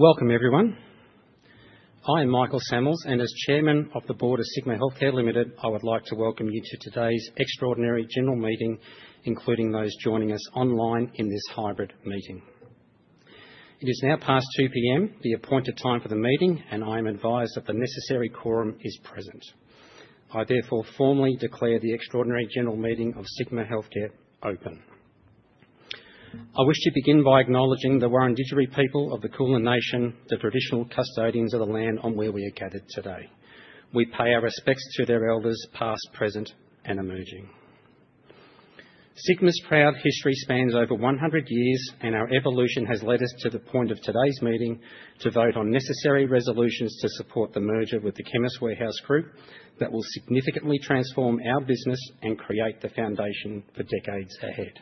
Welcome, everyone. I am Michael Sammells, and as Chairman of the Board of Sigma Healthcare Limited, I would like to welcome you to today's extraordinary general meeting, including those joining us online in this hybrid meeting. It is now past 2:00 P.M., the appointed time for the meeting, and I am advised that the necessary quorum is present. I therefore formally declare the extraordinary general meeting of Sigma Healthcare open. I wish to begin by acknowledging the Wurundjeri people of the Kulin Nation, the traditional custodians of the land on where we are gathered today. We pay our respects to their elders, past, present, and emerging. Sigma's proud history spans over 100 years, and our evolution has led us to the point of today's meeting to vote on necessary resolutions to support the merger with the Chemist Warehouse Group that will significantly transform our business and create the foundation for decades ahead.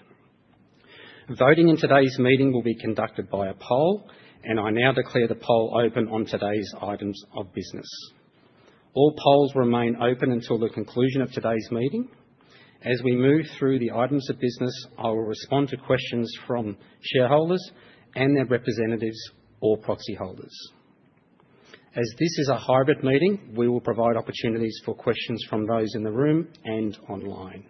Voting in today's meeting will be conducted by a poll, and I now declare the poll open on today's items of business. All polls remain open until the conclusion of today's meeting. As we move through the items of business, I will respond to questions from shareholders and their representatives or proxy holders. As this is a hybrid meeting, we will provide opportunities for questions from those in the room and online.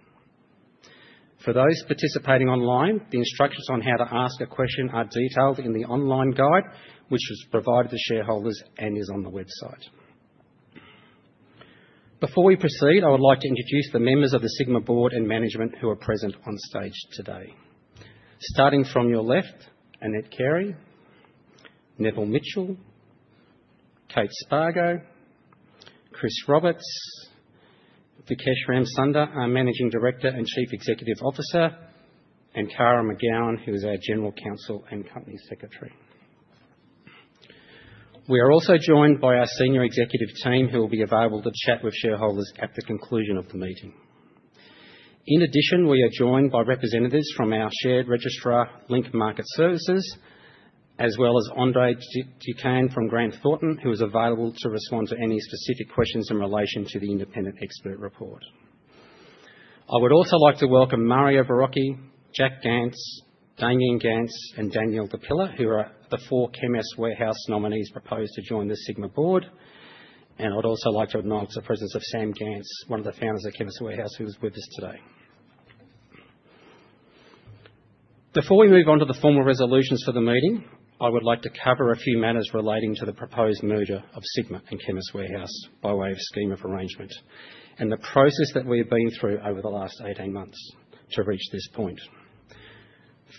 For those participating online, the instructions on how to ask a question are detailed in the online guide, which was provided to shareholders and is on the website. Before we proceed, I would like to introduce the members of the Sigma board and management who are present on stage today. Starting from your left, Annette Carey, Neville Mitchell, Kate Spargo, Chris Roberts, Vikesh Ramsunder, our Managing Director and Chief Executive Officer, and Kara McGowan, who is our General Counsel and Company Secretary. We are also joined by our Senior Executive Team, who will be available to chat with shareholders at the conclusion of the meeting. In addition, we are joined by representatives from our shared registrar, Link Market Services, as well as Andrea De Cian from Grant Thornton, who is available to respond to any specific questions in relation to the independent expert report. I would also like to welcome Mario Verrocchi, Jack Gance, Damien Gance, and Danielle Di Pilla, who are the four Chemist Warehouse nominees proposed to join the Sigma board. I'd also like to acknowledge the presence of Sam Gance, one of the founders of Chemist Warehouse, who is with us today. Before we move on to the formal resolutions for the meeting, I would like to cover a few matters relating to the proposed merger of Sigma and Chemist Warehouse by way of scheme of arrangement and the process that we have been through over the last 18 months to reach this point.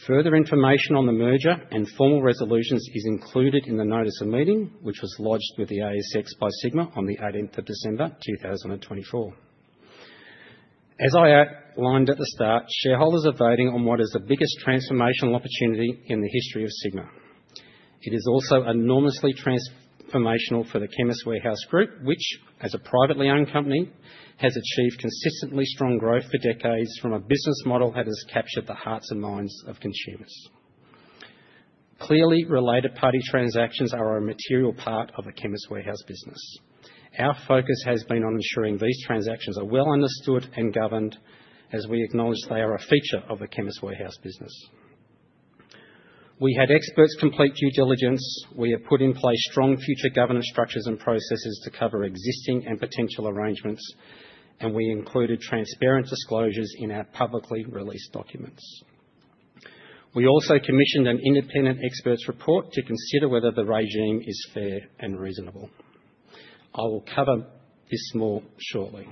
Further information on the merger and formal resolutions is included in the notice of meeting, which was lodged with the ASX by Sigma on the 18th of December 2024. As I outlined at the start, shareholders are voting on what is the biggest transformational opportunity in the history of Sigma. It is also enormously transformational for the Chemist Warehouse Group, which, as a privately owned company, has achieved consistently strong growth for decades from a business model that has captured the hearts and minds of consumers. Clearly, related party transactions are a material part of the Chemist Warehouse business. Our focus has been on ensuring these transactions are well understood and governed, as we acknowledge they are a feature of the Chemist Warehouse business. We had experts complete due diligence. We have put in place strong future governance structures and processes to cover existing and potential arrangements, and we included transparent disclosures in our publicly released documents. We also commissioned an independent expert's report to consider whether the regime is fair and reasonable. I will cover this more shortly.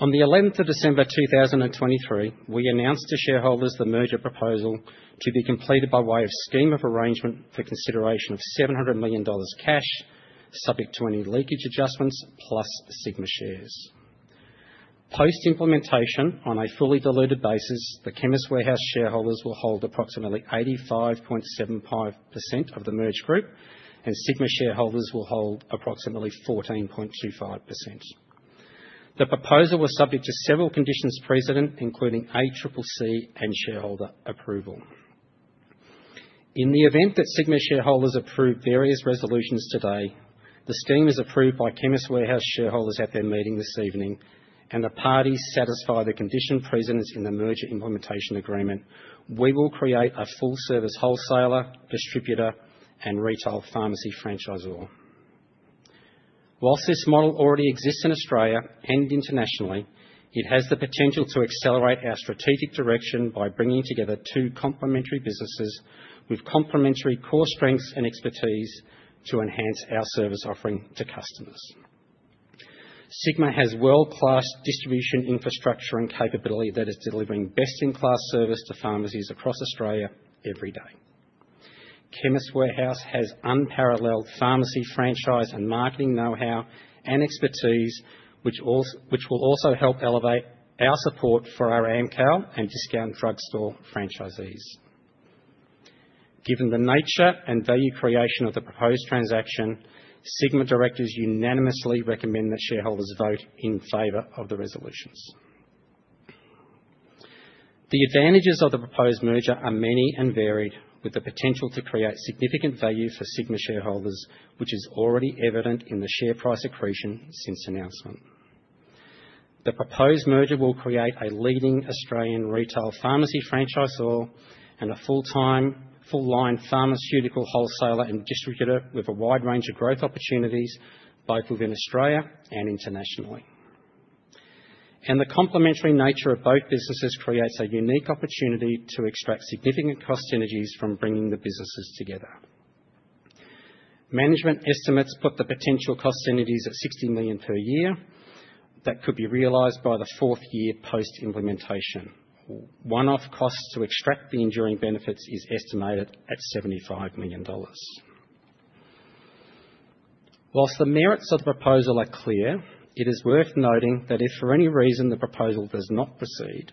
On the 11th of December 2023, we announced to shareholders the merger proposal to be completed by way of scheme of arrangement for consideration of 700 million dollars cash, subject to any leakage adjustments, plus Sigma shares. Post-implementation, on a fully diluted basis, the Chemist Warehouse shareholders will hold approximately 85.75% of the merge group, and Sigma shareholders will hold approximately 14.25%. The proposal was subject to several conditions precedent, including ACCC and shareholder approval. In the event that Sigma shareholders approve various resolutions today, the scheme is approved by Chemist Warehouse shareholders at their meeting this evening, and the parties satisfy the condition precedent in the merger implementation agreement, we will create a full-service wholesaler, distributor, and retail pharmacy franchisor. While this model already exists in Australia and internationally, it has the potential to accelerate our strategic direction by bringing together two complementary businesses with complementary core strengths and expertise to enhance our service offering to customers. Sigma has world-class distribution infrastructure and capability that is delivering best-in-class service to pharmacies across Australia every day. Chemist Warehouse has unparalleled pharmacy franchise and marketing know-how and expertise, which will also help elevate our support for our Amcal and Discount Drug Stores franchisees. Given the nature and value creation of the proposed transaction, Sigma directors unanimously recommend that shareholders vote in favor of the resolutions. The advantages of the proposed merger are many and varied, with the potential to create significant value for Sigma shareholders, which is already evident in the share price accretion since announcement. The proposed merger will create a leading Australian retail pharmacy franchisor and a full-time full-line pharmaceutical wholesaler and distributor with a wide range of growth opportunities, both within Australia and internationally. And the complementary nature of both businesses creates a unique opportunity to extract significant cost synergies from bringing the businesses together. Management estimates put the potential cost synergies at 60 million per year that could be realized by the fourth year post-implementation. One-off costs to extract the enduring benefits is estimated at 75 million dollars. While the merits of the proposal are clear, it is worth noting that if for any reason the proposal does not proceed,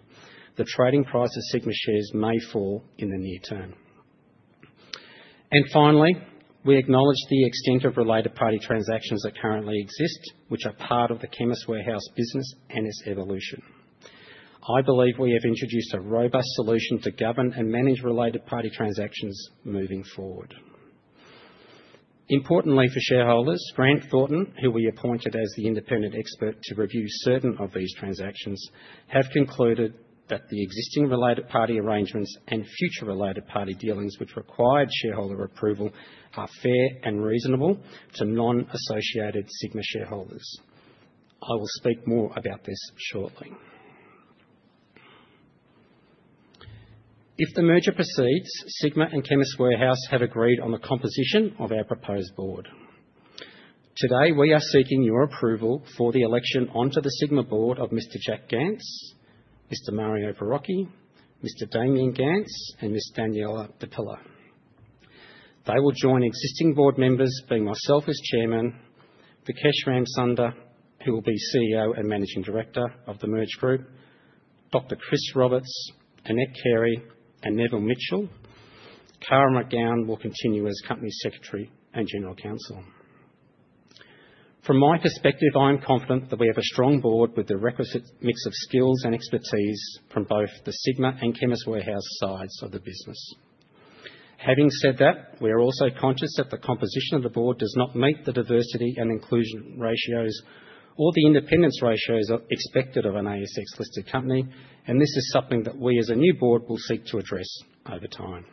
the trading price of Sigma shares may fall in the near term. And finally, we acknowledge the extent of related party transactions that currently exist, which are part of the Chemist Warehouse business and its evolution. I believe we have introduced a robust solution to govern and manage related party transactions moving forward. Importantly for shareholders, Grant Thornton, who we appointed as the independent expert to review certain of these transactions, has concluded that the existing related party arrangements and future related party dealings, which required shareholder approval, are fair and reasonable to non-associated Sigma shareholders. I will speak more about this shortly. If the merger proceeds, Sigma and Chemist Warehouse have agreed on the composition of our proposed board. Today, we are seeking your approval for the election onto the Sigma board of Mr. Jack Gance, Mr. Mario Verrocchi, Mr. Damien Gance, and Ms. Danielle Di Pilla. They will join existing board members, being myself as Chairman, Vikesh Ramsunder, who will be CEO and Managing Director of the merged group, Dr. Chris Roberts, Annette Carey, and Neville Mitchell. Kara McGowan will continue as Company Secretary and General Counsel. From my perspective, I am confident that we have a strong board with the requisite mix of skills and expertise from both the Sigma and Chemist Warehouse sides of the business. Having said that, we are also conscious that the composition of the board does not meet the diversity and inclusion ratios or the independence ratios expected of an ASX-listed company, and this is something that we as a new board will seek to address over time.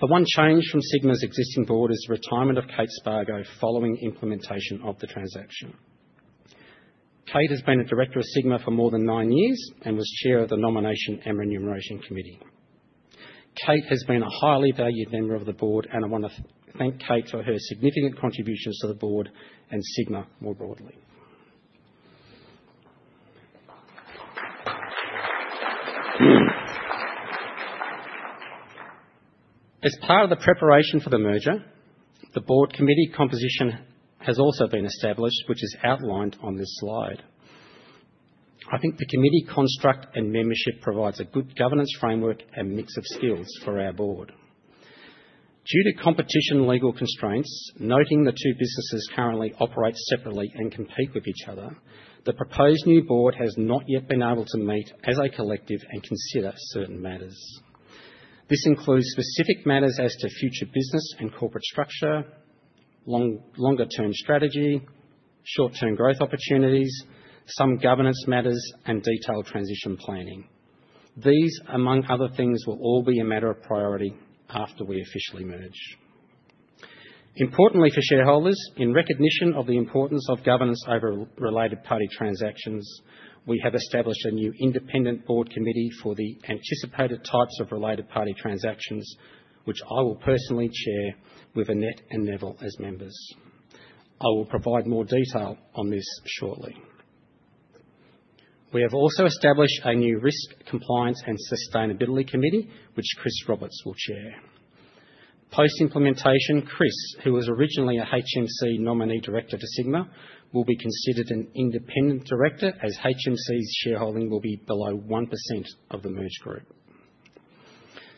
The one change from Sigma's existing board is the retirement of Kate Spargo following implementation of the transaction. Kate has been a director of Sigma for more than nine years and was chair of the Nomination and Remuneration Committee. Kate has been a highly valued member of the board, and I want to thank Kate for her significant contributions to the board and Sigma more broadly. As part of the preparation for the merger, the Board Committee composition has also been established, which is outlined on this slide. I think the committee construct and membership provides a good governance framework and mix of skills for our board. Due to competition legal constraints, noting the two businesses currently operate separately and compete with each other, the proposed new board has not yet been able to meet as a collective and consider certain matters. This includes specific matters as to future business and corporate structure, longer-term strategy, short-term growth opportunities, some governance matters, and detailed transition planning. These, among other things, will all be a matter of priority after we officially merge. Importantly for shareholders, in recognition of the importance of governance over related party transactions, we have established a new Independent Board Committee for the anticipated types of related party transactions, which I will personally chair with Annette and Neville as members. I will provide more detail on this shortly. We have also established a new Risk, Compliance and Sustainability Committee, which Chris Roberts will chair. Post-implementation, Chris, who was originally a HMC nominee director to Sigma, will be considered an independent director as HMC's shareholding will be below 1% of the merged group.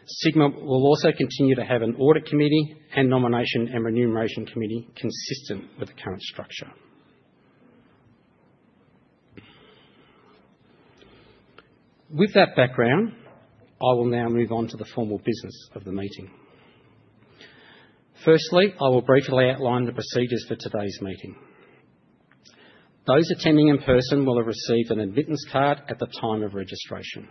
Sigma will also continue to have an Audit Committee and Nomination and Remuneration Committee consistent with the current structure. With that background, I will now move on to the formal business of the meeting. Firstly, I will briefly outline the procedures for today's meeting. Those attending in person will have received an admittance card at the time of registration.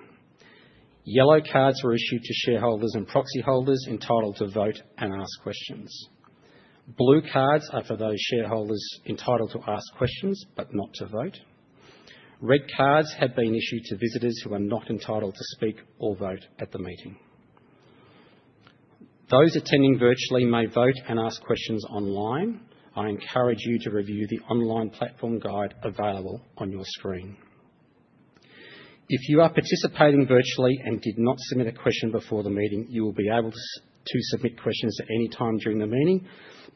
Yellow cards were issued to shareholders and proxy holders entitled to vote and ask questions. Blue cards are for those shareholders entitled to ask questions but not to vote. Red cards have been issued to visitors who are not entitled to speak or vote at the meeting. Those attending virtually may vote and ask questions online. I encourage you to review the online platform guide available on your screen. If you are participating virtually and did not submit a question before the meeting, you will be able to submit questions at any time during the meeting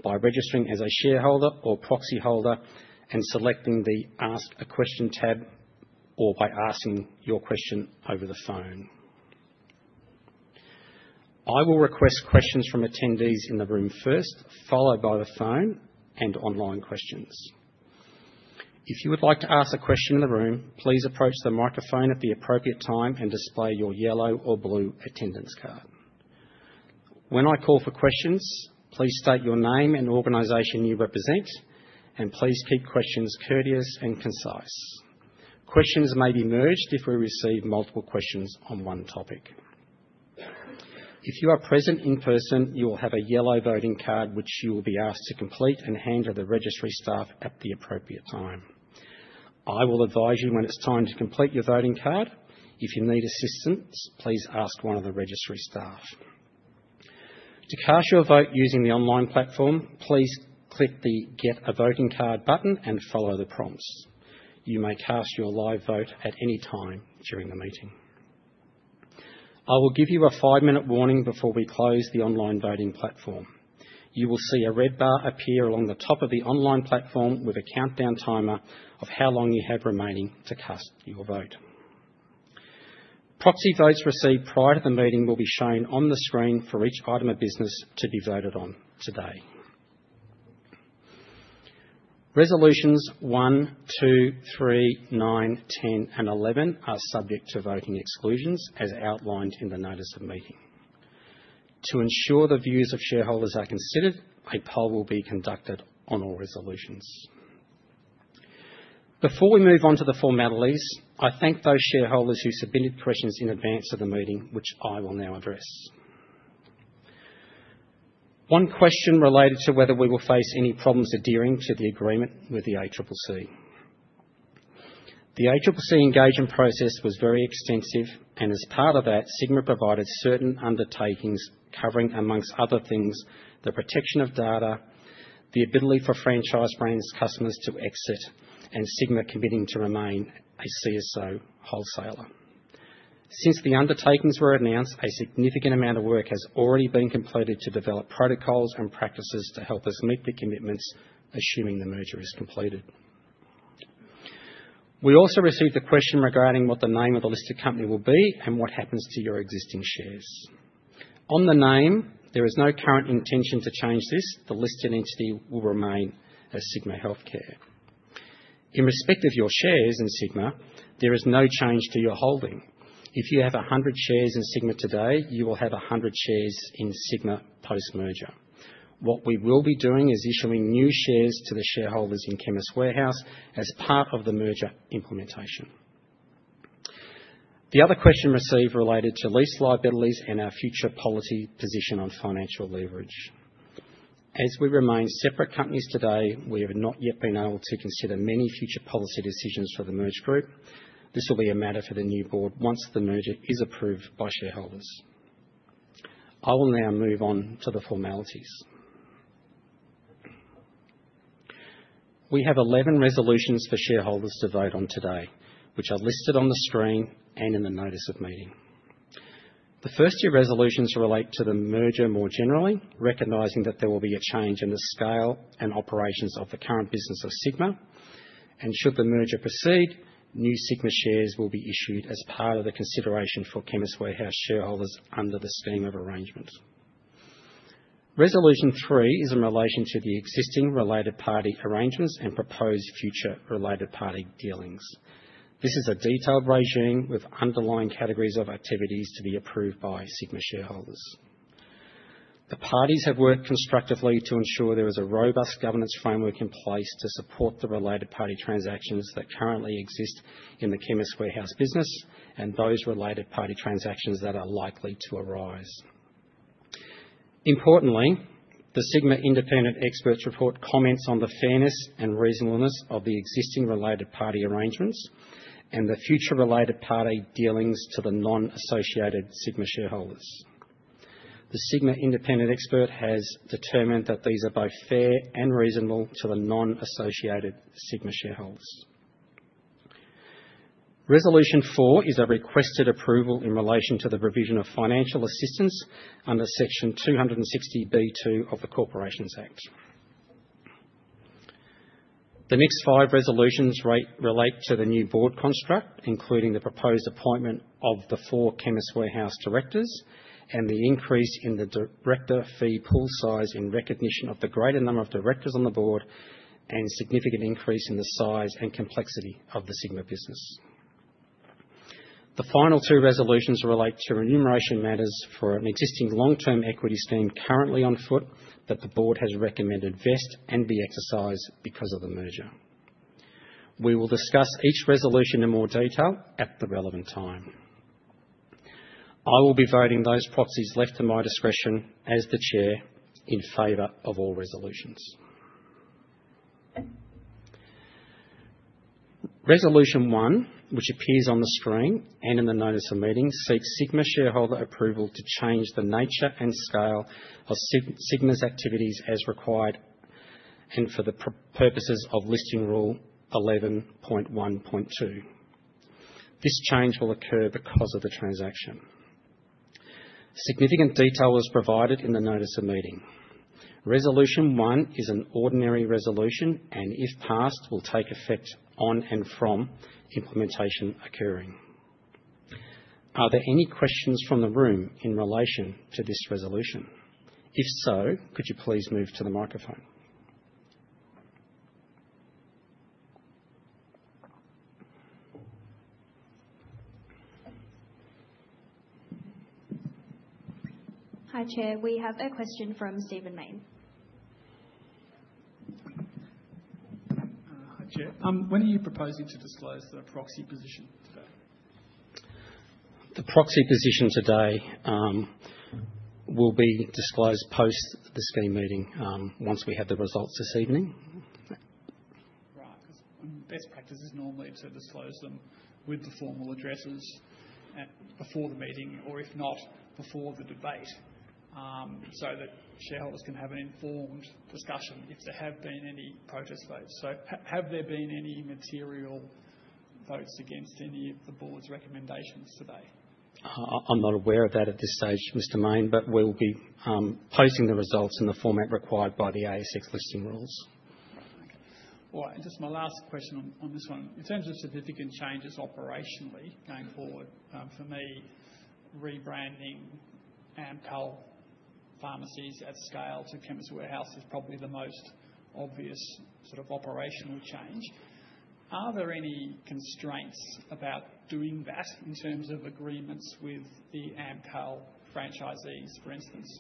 by registering as a shareholder or proxy holder and selecting the Ask a Question tab or by asking your question over the phone. I will request questions from attendees in the room first, followed by the phone and online questions. If you would like to ask a question in the room, please approach the microphone at the appropriate time and display your yellow or blue attendance card. When I call for questions, please state your name and organization you represent, and please keep questions courteous and concise. Questions may be merged if we receive multiple questions on one topic. If you are present in person, you will have a yellow voting card, which you will be asked to complete and hand to the registry staff at the appropriate time. I will advise you when it's time to complete your voting card. If you need assistance, please ask one of the registry staff. To cast your vote using the online platform, please click the Get a Voting Card button and follow the prompts. You may cast your live vote at any time during the meeting. I will give you a five-minute warning before we close the online voting platform. You will see a red bar appear along the top of the online platform with a countdown timer of how long you have remaining to cast your vote. Proxy votes received prior to the meeting will be shown on the screen for each item of business to be voted on today. Resolutions one, two, three, nine, 10, and 11 are subject to voting exclusions as outlined in the notice of meeting. To ensure the views of shareholders are considered, a poll will be conducted on all resolutions. Before we move on to the formalities, I thank those shareholders who submitted questions in advance of the meeting, which I will now address. One question related to whether we will face any problems adhering to the agreement with the ACCC. The ACCC engagement process was very extensive, and as part of that, Sigma provided certain undertakings covering, among other things, the protection of data, the ability for franchise brands' customers to exit, and Sigma committing to remain a CSO wholesaler. Since the undertakings were announced, a significant amount of work has already been completed to develop protocols and practices to help us meet the commitments assuming the merger is completed. We also received a question regarding what the name of the listed company will be and what happens to your existing shares. On the name, there is no current intention to change this. The listed entity will remain as Sigma Healthcare. In respect of your shares in Sigma, there is no change to your holding. If you have 100 shares in Sigma today, you will have 100 shares in Sigma post-merger. What we will be doing is issuing new shares to the shareholders in Chemist Warehouse as part of the merger implementation. The other question received related to lease liabilities and our future policy position on financial leverage. As we remain separate companies today, we have not yet been able to consider many future policy decisions for the merged group. This will be a matter for the new board once the merger is approved by shareholders. I will now move on to the formalities. We have 11 resolutions for shareholders to vote on today, which are listed on the screen and in the notice of meeting. The first two resolutions relate to the merger more generally, recognizing that there will be a change in the scale and operations of the current business of Sigma, and should the merger proceed, new Sigma shares will be issued as part of the consideration for Chemist Warehouse shareholders under the scheme of arrangement. Resolution three is in relation to the existing related party arrangements and proposed future related party dealings. This is a detailed regime with underlying categories of activities to be approved by Sigma shareholders. The parties have worked constructively to ensure there is a robust governance framework in place to support the related party transactions that currently exist in the Chemist Warehouse business and those related party transactions that are likely to arise. Importantly, the Sigma independent expert's report comments on the fairness and reasonableness of the existing related party arrangements and the future related party dealings to the non-associated Sigma shareholders. The Sigma independent expert has determined that these are both fair and reasonable to the non-associated Sigma shareholders. Resolution four is a requested approval in relation to the provision of financial assistance under Section 260B(2) of the Corporations Act. The next five resolutions relate to the new board construct, including the proposed appointment of the four Chemist Warehouse directors and the increase in the director fee pool size in recognition of the greater number of directors on the board and significant increase in the size and complexity of the Sigma business. The final two resolutions relate to remuneration matters for an existing long-term equity scheme currently on foot that the board has recommended vest and be exercised because of the merger. We will discuss each resolution in more detail at the relevant time. I will be voting those proxies left to my discretion as the chair in favor of all resolutions. Resolution one, which appears on the screen and in the notice of meeting, seeks Sigma shareholder approval to change the nature and scale of Sigma's activities as required and for the purposes of Listing Rule 11.1.2. This change will occur because of the transaction. Significant detail was provided in the notice of meeting. Resolution one is an ordinary resolution and, if passed, will take effect on and from implementation occurring. Are there any questions from the room in relation to this resolution? If so, could you please move to the microphone? Hi, Chair. We have a question from Stephen Mayne. Hi, Chair. When are you proposing to disclose the proxy position today? The proxy position today will be disclosed post the scheme meeting once we have the results this evening. Right, because best practice is normally to disclose them with the formal addresses before the meeting or, if not, before the debate so that shareholders can have an informed discussion if there have been any protest votes. So have there been any material votes against any of the board's recommendations today? I'm not aware of that at this stage, Mr. Mayne, but we'll be posting the results in the format required by the ASX Listing Rules. All right. Just my last question on this one. In terms of significant changes operationally going forward, for me, rebranding Amcal Pharmacies at scale to Chemist Warehouse is probably the most obvious sort of operational change. Are there any constraints about doing that in terms of agreements with the Amcal franchisees, for instance?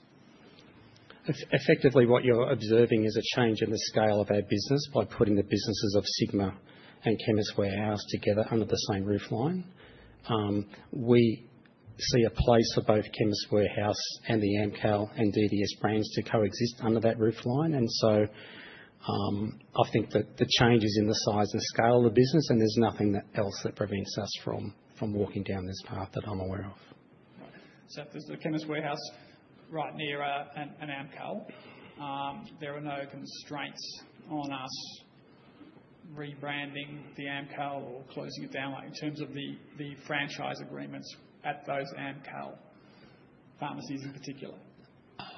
Effectively, what you're observing is a change in the scale of our business by putting the businesses of Sigma and Chemist Warehouse together under the same roof line. We see a place for both Chemist Warehouse and the Amcal and DDS brands to coexist under that roof line. And so I think that the change is in the size and scale of the business, and there's nothing else that prevents us from walking down this path that I'm aware of. If there's the Chemist Warehouse right near an Amcal, there are no constraints on us rebranding the Amcal or closing it down in terms of the franchise agreements at those Amcal Pharmacies in particular?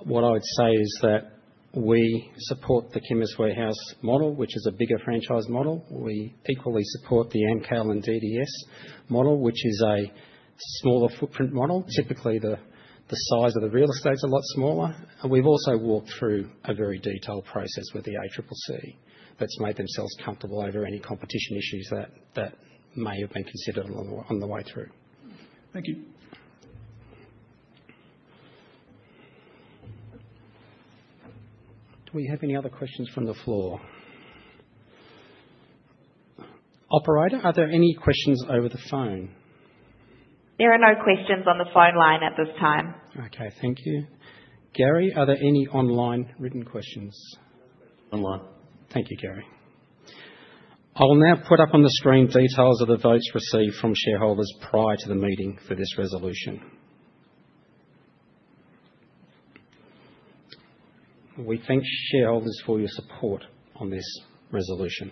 What I would say is that we support the Chemist Warehouse model, which is a bigger franchise model. We equally support the Amcal and DDS model, which is a smaller footprint model. Typically, the size of the real estate's a lot smaller. We've also walked through a very detailed process with the ACCC that's made themselves comfortable over any competition issues that may have been considered on the way through. Thank you. Do we have any other questions from the floor? Operator, are there any questions over the phone? There are no questions on the phone line at this time. Okay. Thank you. Gary, are there any online written questions? No questions online. Thank you, Gary. I will now put up on the screen details of the votes received from shareholders prior to the meeting for this resolution. We thank shareholders for your support on this resolution.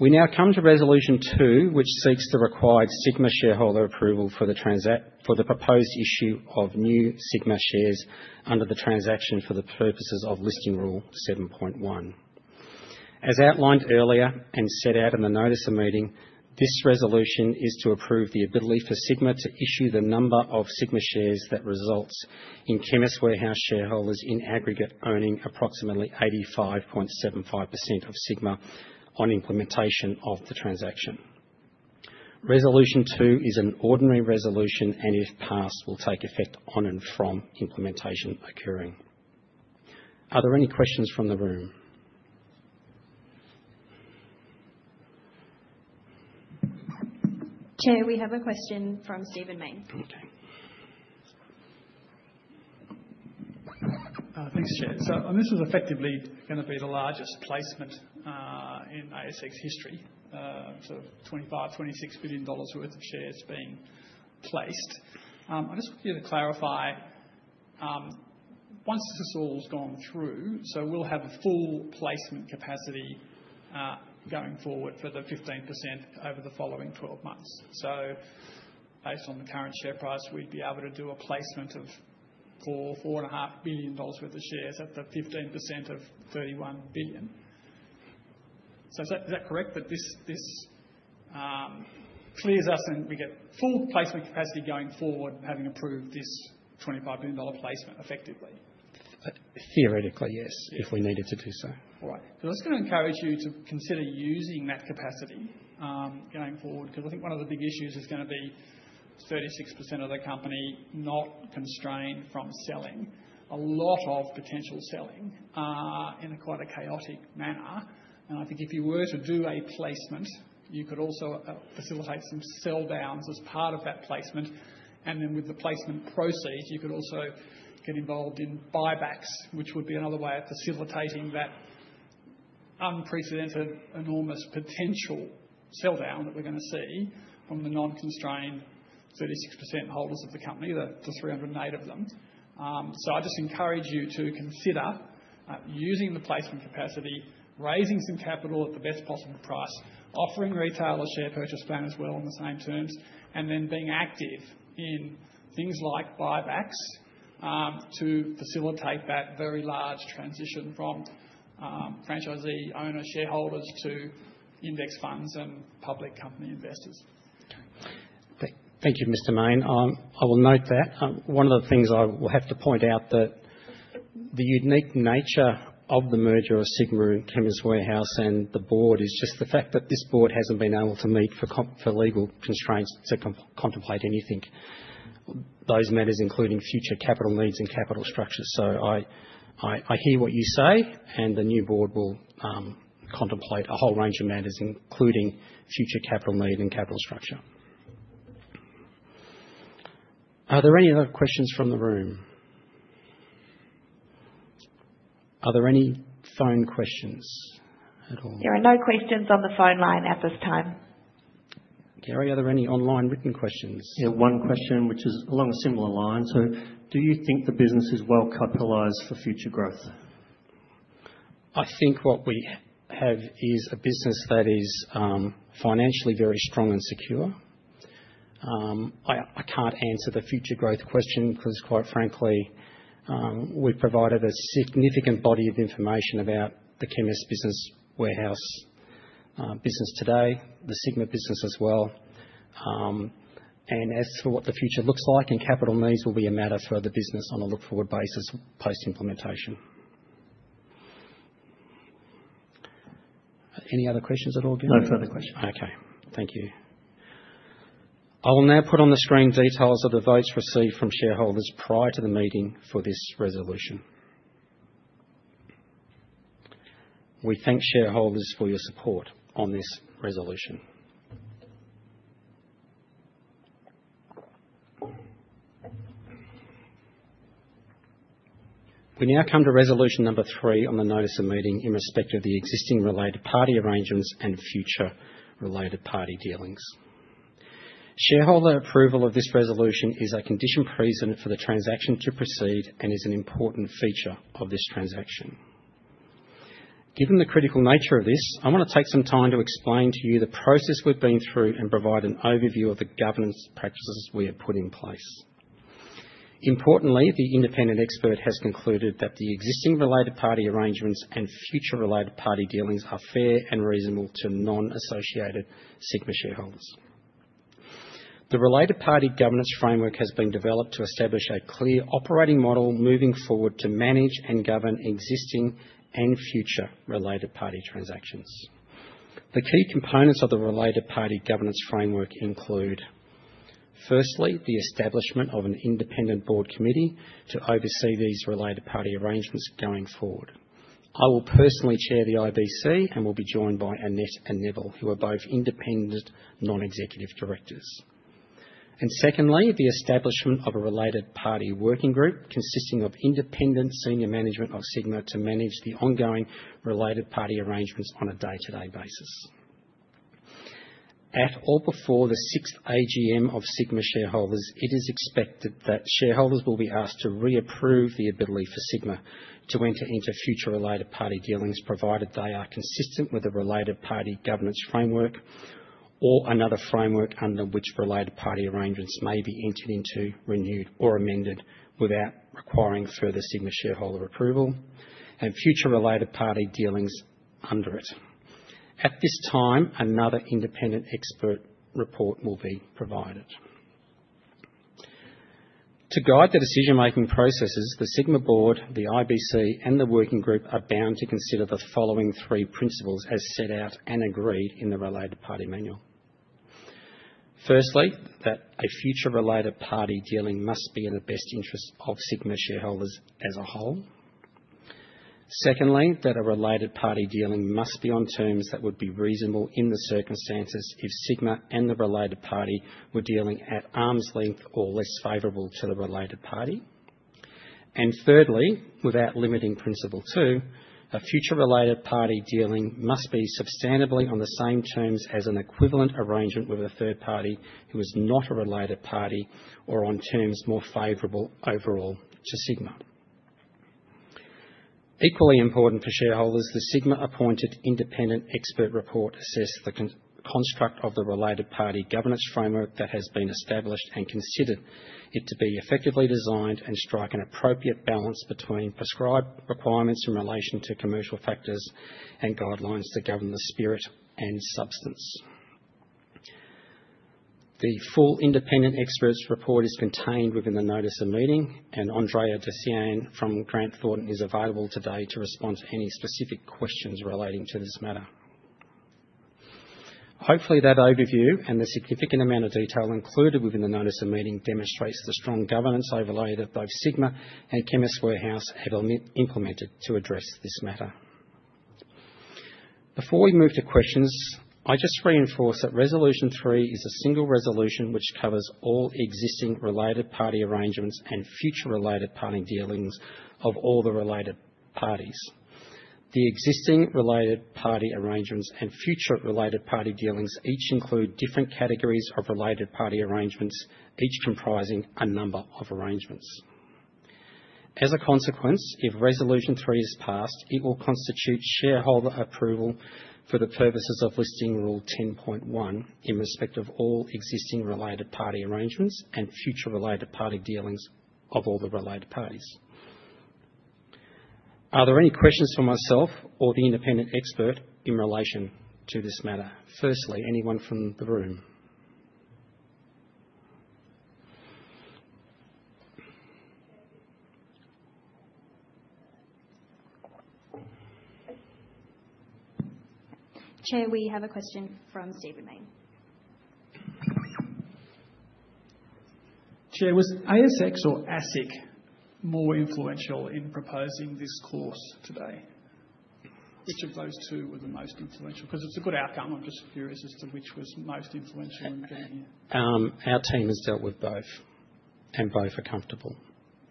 We now come to Resolution two, which seeks the required Sigma shareholder approval for the proposed issue of new Sigma shares under the transaction for the purposes of Listing Rule 7.1. As outlined earlier and set out in the notice of meeting, this resolution is to approve the ability for Sigma to issue the number of Sigma shares that results in Chemist Warehouse shareholders in aggregate owning approximately 85.75% of Sigma on implementation of the transaction. Resolution two is an ordinary resolution, and if passed, will take effect on and from implementation occurring. Are there any questions from the room? Chair, we have a question from Stephen Mayne. Okay. Thanks, Chair. So this is effectively going to be the largest placement in ASX history. So 25-26 billion dollars worth of shares being placed. I just want you to clarify, once this all's gone through, so we'll have a full placement capacity going forward for the 15% over the following 12 months. So based on the current share price, we'd be able to do a placement of 4-4.5 billion dollars worth of shares at the 15% of 31 billion. So is that correct? That this clears us and we get full placement capacity going forward, having approved this 25 billion dollar placement effectively? Theoretically, yes, if we needed to do so. All right. So I was going to encourage you to consider using that capacity going forward because I think one of the big issues is going to be 36% of the company not constrained from selling. A lot of potential selling in a quite chaotic manner. And I think if you were to do a placement, you could also facilitate some sell-downs as part of that placement. And then with the placement proceeds, you could also get involved in buybacks, which would be another way of facilitating that unprecedented, enormous potential sell-down that we're going to see from the non-constrained 36% holders of the company, the 308 of them. So I just encourage you to consider using the placement capacity, raising some capital at the best possible price, offering retailers share purchase plan as well on the same terms, and then being active in things like buybacks to facilitate that very large transition from franchisee owner shareholders to index funds and public company investors. Thank you, Mr. Mayne. I will note that. One of the things I will have to point out that the unique nature of the merger of Sigma and Chemist Warehouse and the board is just the fact that this board hasn't been able to meet for legal constraints to contemplate anything, those matters including future capital needs and capital structure. So I hear what you say, and the new board will contemplate a whole range of matters, including future capital need and capital structure. Are there any other questions from the room? Are there any phone questions at all? There are no questions on the phone line at this time. Gary, are there any online written questions? Yeah, one question, which is along a similar line. So do you think the business is well capitalized for future growth? I think what we have is a business that is financially very strong and secure. I can't answer the future growth question because, quite frankly, we've provided a significant body of information about the Chemist Warehouse business today, the Sigma business as well. And as for what the future looks like and capital needs, will be a matter for the business on a go-forward basis post-implementation. Any other questions at all, Gary? No further questions. Okay. Thank you. I will now put on the screen details of the votes received from shareholders prior to the meeting for this resolution. We thank shareholders for your support on this resolution. We now come to Resolution number three on the notice of meeting in respect of the existing related party arrangements and future related party dealings. Shareholder approval of this resolution is a condition precedent for the transaction to proceed and is an important feature of this transaction. Given the critical nature of this, I want to take some time to explain to you the process we've been through and provide an overview of the governance practices we have put in place. Importantly, the independent expert has concluded that the existing related party arrangements and future related party dealings are fair and reasonable to non-associated Sigma shareholders. The Related Party Governance Framework has been developed to establish a clear operating model moving forward to manage and govern existing and future related party transactions. The key components of the Related Party Governance Framework include, firstly, the establishment of an Independent Board Committee to oversee these related party arrangements going forward. I will personally chair the IBC and will be joined by Annette and Neville, who are both independent non-executive directors. And secondly, the establishment of a Related Party Working Group consisting of independent senior management of Sigma to manage the ongoing related party arrangements on a day-to-day basis. At or before the sixth AGM of Sigma shareholders, it is expected that shareholders will be asked to reapprove the ability for Sigma to enter into future related party dealings provided they are consistent with the Related Party Governance Framework or another framework under which related party arrangements may be entered into, renewed, or amended without requiring further Sigma shareholder approval and future related party dealings under it. At this time, another independent expert report will be provided. To guide the decision-making processes, the Sigma board, the IBC, and the working group are bound to consider the following three principles as set out and agreed in the Related Party Manual. Firstly, that a future related party dealing must be in the best interest of Sigma shareholders as a whole. Secondly, that a related party dealing must be on terms that would be reasonable in the circumstances if Sigma and the related party were dealing at arm's length or less favorable to the related party. And thirdly, without limiting principle two, a future related party dealing must be substantially on the same terms as an equivalent arrangement with a third party who is not a related party or on terms more favorable overall to Sigma. Equally important for shareholders, the Sigma-appointed independent expert report assesses the construct of the Related Party Governance Framework that has been established and considered it to be effectively designed and strike an appropriate balance between prescribed requirements in relation to commercial factors and guidelines to govern the spirit and substance. The full independent expert's report is contained within the notice of meeting, and Andrea De Cian from Grant Thornton is available today to respond to any specific questions relating to this matter. Hopefully, that overview and the significant amount of detail included within the notice of meeting demonstrates the strong governance overlay that both Sigma and Chemist Warehouse have implemented to address this matter. Before we move to questions, I just reinforce that Resolution three is a single resolution which covers all existing related party arrangements and future related party dealings of all the related parties. The existing related party arrangements and future related party dealings each include different categories of related party arrangements, each comprising a number of arrangements. As a consequence, if Resolution three is passed, it will constitute shareholder approval for the purposes of Listing Rule 10.1 in respect of all existing related party arrangements and future related party dealings of all the related parties. Are there any questions for myself or the independent expert in relation to this matter? Firstly, anyone from the room? Chair, we have a question from Stephen Mayne. Chair, was ASX or ASIC more influential in proposing this course today? Which of those two were the most influential? Because it's a good outcome. I'm just curious as to which was most influential in being here. Our team has dealt with both, and both are comfortable.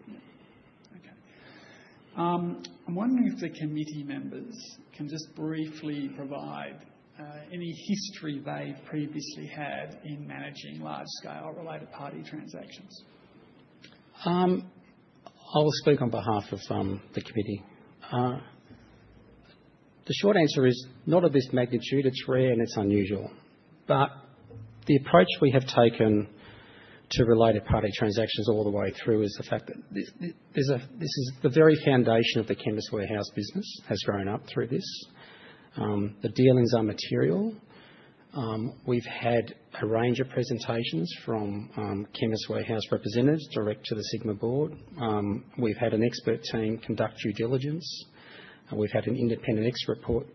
Okay. I'm wondering if the committee members can just briefly provide any history they've previously had in managing large-scale related party transactions? I will speak on behalf of the committee. The short answer is not of this magnitude. It's rare and it's unusual. But the approach we have taken to related party transactions all the way through is the fact that this is the very foundation of the Chemist Warehouse business has grown up through this. The dealings are material. We've had a range of presentations from Chemist Warehouse representatives direct to the Sigma board. We've had an expert team conduct due diligence. We've had an independent expert report.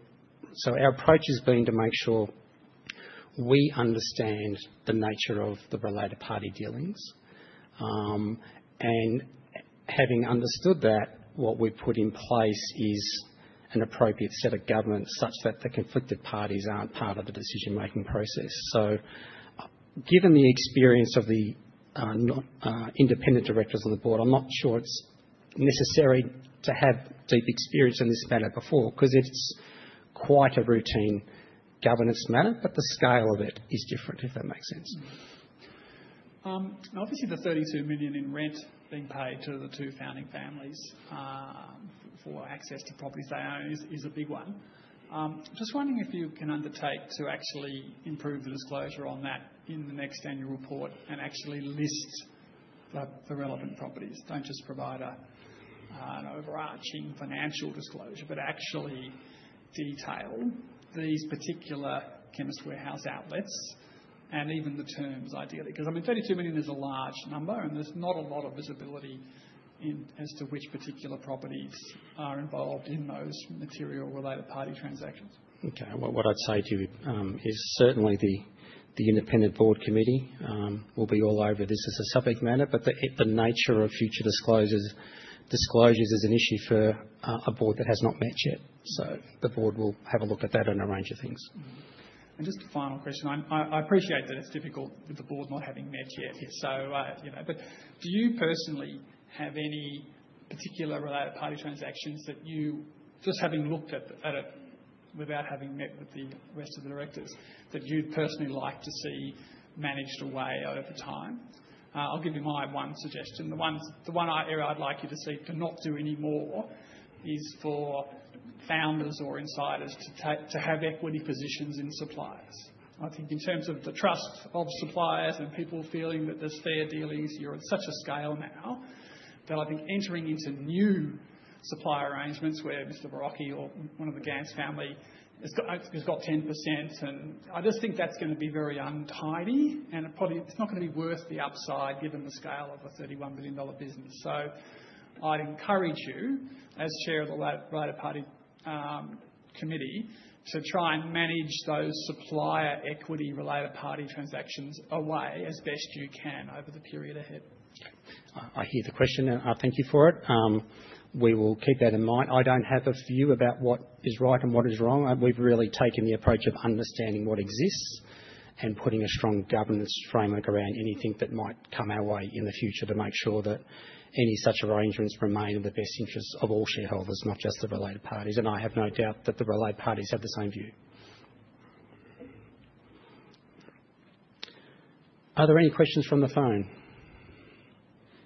So our approach has been to make sure we understand the nature of the related party dealings. And having understood that, what we've put in place is an appropriate set of governance such that the conflicted parties aren't part of the decision-making process. So given the experience of the independent directors on the board, I'm not sure it's necessary to have deep experience in this matter before because it's quite a routine governance matter, but the scale of it is different, if that makes sense. Now, obviously, the 32 million in rent being paid to the two founding families for access to properties they own is a big one. Just wondering if you can undertake to actually improve the disclosure on that in the next annual report and actually list the relevant properties. Don't just provide an overarching financial disclosure, but actually detail these particular Chemist Warehouse outlets and even the terms, ideally. Because, I mean, 32 million is a large number, and there's not a lot of visibility as to which particular properties are involved in those material related party transactions. Okay. What I'd say to you is certainly the Independent Board Committee will be all over this as a subject matter, but the nature of future disclosures is an issue for a board that has not met yet, so the board will have a look at that and arrange thines is an issue for a board that has not met yet, so the board will have a look at that and arrangs. And just a final question. I appreciate that it's difficult with the board not having met yet. But do you personally have any particular related party transactions that you, just having looked at it without having met with the rest of the directors, that you'd personally like to see managed away over time? I'll give you my one suggestion. The one area I'd like you to seek to not do anymore is for founders or insiders to have equity positions in suppliers. I think in terms of the trust of suppliers and people feeling that there's fair dealings, you're at such a scale now that I think entering into new supply arrangements where Mr. Verrocchi or one of the Gance family has got 10%, and I just think that's going to be very untidy, and it's not going to be worth the upside given the scale of a 31 billion dollar business. So I'd encourage you, as chair of the Related Party Committee, to try and manage those supplier equity related party transactions away as best you can over the period ahead. I hear the question, and I thank you for it. We will keep that in mind. I don't have a view about what is right and what is wrong. We've really taken the approach of understanding what exists and putting a strong governance framework around anything that might come our way in the future to make sure that any such arrangements remain in the best interest of all shareholders, not just the related parties, and I have no doubt that the related parties have the same view. Are there any questions from the phone?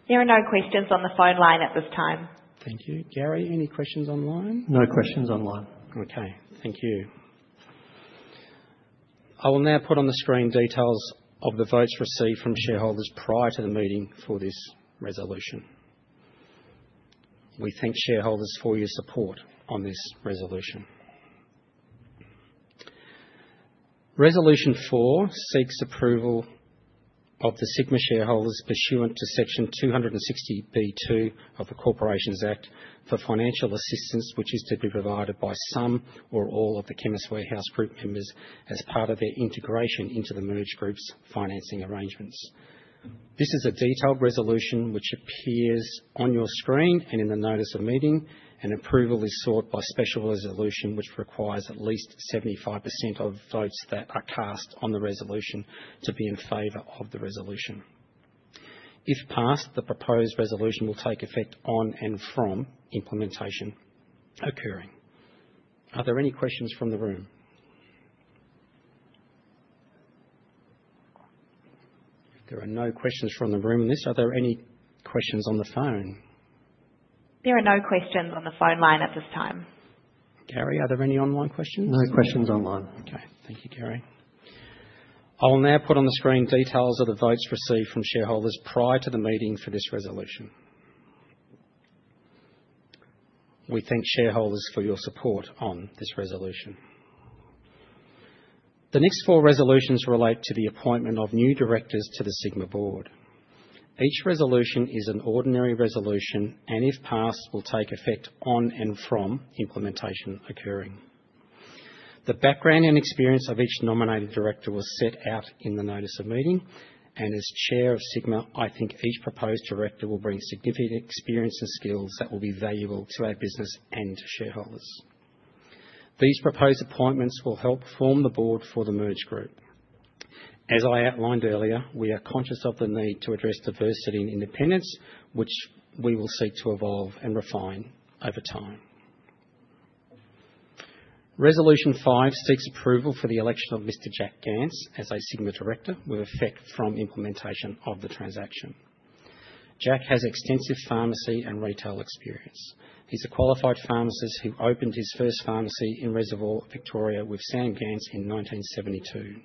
There are no questions on the phone line at this time. Thank you. Gary, any questions online? No questions online. Okay. Thank you. I will now put on the screen details of the votes received from shareholders prior to the meeting for this resolution. We thank shareholders for your support on this resolution. Resolution four seeks approval of the Sigma shareholders pursuant to section 260B(2) of the Corporations Act for financial assistance, which is to be provided by some or all of the Chemist Warehouse group members as part of their integration into the merged group's financing arrangements. This is a detailed resolution which appears on your screen and in the notice of meeting, and approval is sought by special resolution which requires at least 75% of votes that are cast on the resolution to be in favor of the resolution. If passed, the proposed resolution will take effect on and from implementation occurring. Are there any questions from the room? There are no questions from the room on this. Are there any questions on the phone? There are no questions on the phone line at this time. Gary, are there any online questions? No questions online. Okay. Thank you, Gary. I will now put on the screen details of the votes received from shareholders prior to the meeting for this resolution. We thank shareholders for your support on this resolution. The next four resolutions relate to the appointment of new directors to the Sigma board. Each resolution is an ordinary resolution, and if passed, will take effect on and from implementation occurring. The background and experience of each nominated director was set out in the notice of meeting, and as Chair of Sigma, I think each proposed director will bring significant experience and skills that will be valuable to our business and to shareholders. These proposed appointments will help form the board for the merged group. As I outlined earlier, we are conscious of the need to address diversity and independence, which we will seek to evolve and refine over time. Resolution five seeks approval for the election of Mr. Jack Gance as a Sigma director with effect from implementation of the transaction. Jack has extensive pharmacy and retail experience. He's a qualified pharmacist who opened his first pharmacy in Reservoir, Victoria, with Sam Gance in 1972.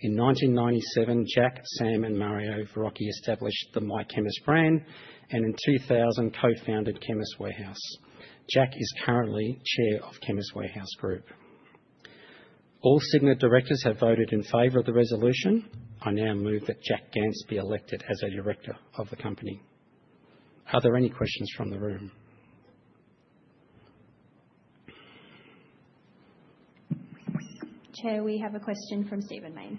In 1997, Jack, Sam, and Mario Verrocchi established the My Chemist brand, and in 2000, co-founded Chemist Warehouse. Jack is currently chair of Chemist Warehouse Group. All Sigma directors have voted in favor of the resolution. I now move that Jack Gance be elected as a director of the company. Are there any questions from the room? Chair, we have a question from Stephen Mayne.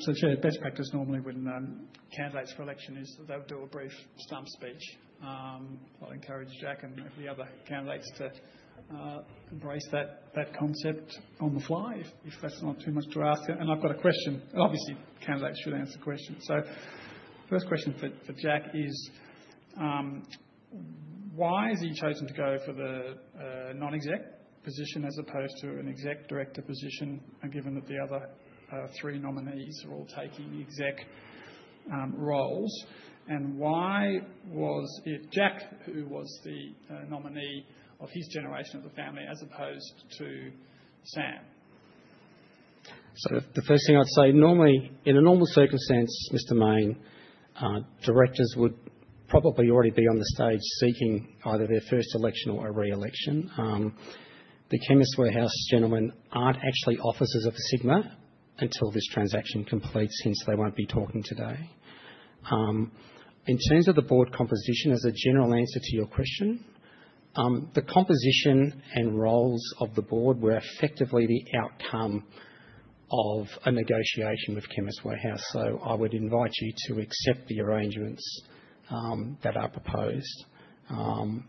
So, Chair, best practice normally when candidates for election is that they'll do a brief stump speech. I'll encourage Jack and the other candidates to embrace that concept on the fly if that's not too much to ask. And I've got a question. Obviously, candidates should answer questions. So first question for Jack is, why has he chosen to go for the non-exec position as opposed to an exec director position, given that the other three nominees are all taking exec roles? And why was it Jack, who was the nominee of his generation of the family, as opposed to Sam? The first thing I'd say, normally, in a normal circumstance, Mr. Mayne, directors would probably already be on the stage seeking either their first election or a re-election. The Chemist Warehouse gentlemen aren't actually officers of Sigma until this transaction completes, hence they won't be talking today. In terms of the board composition, as a general answer to your question, the composition and roles of the board were effectively the outcome of a negotiation with Chemist Warehouse. I would invite you to accept the arrangements that are proposed. And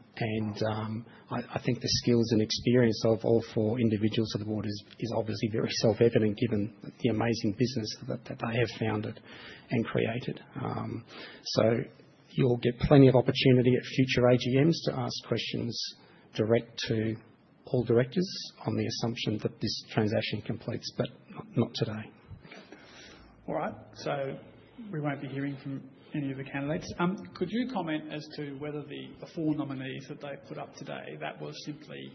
I think the skills and experience of all four individuals of the board is obviously very self-evident, given the amazing business that they have founded and created. You'll get plenty of opportunity at future AGMs to ask questions direct to all directors on the assumption that this transaction completes, but not today. Okay. All right, so we won't be hearing from any of the candidates. Could you comment as to whether the four nominees that they put up today, that was simply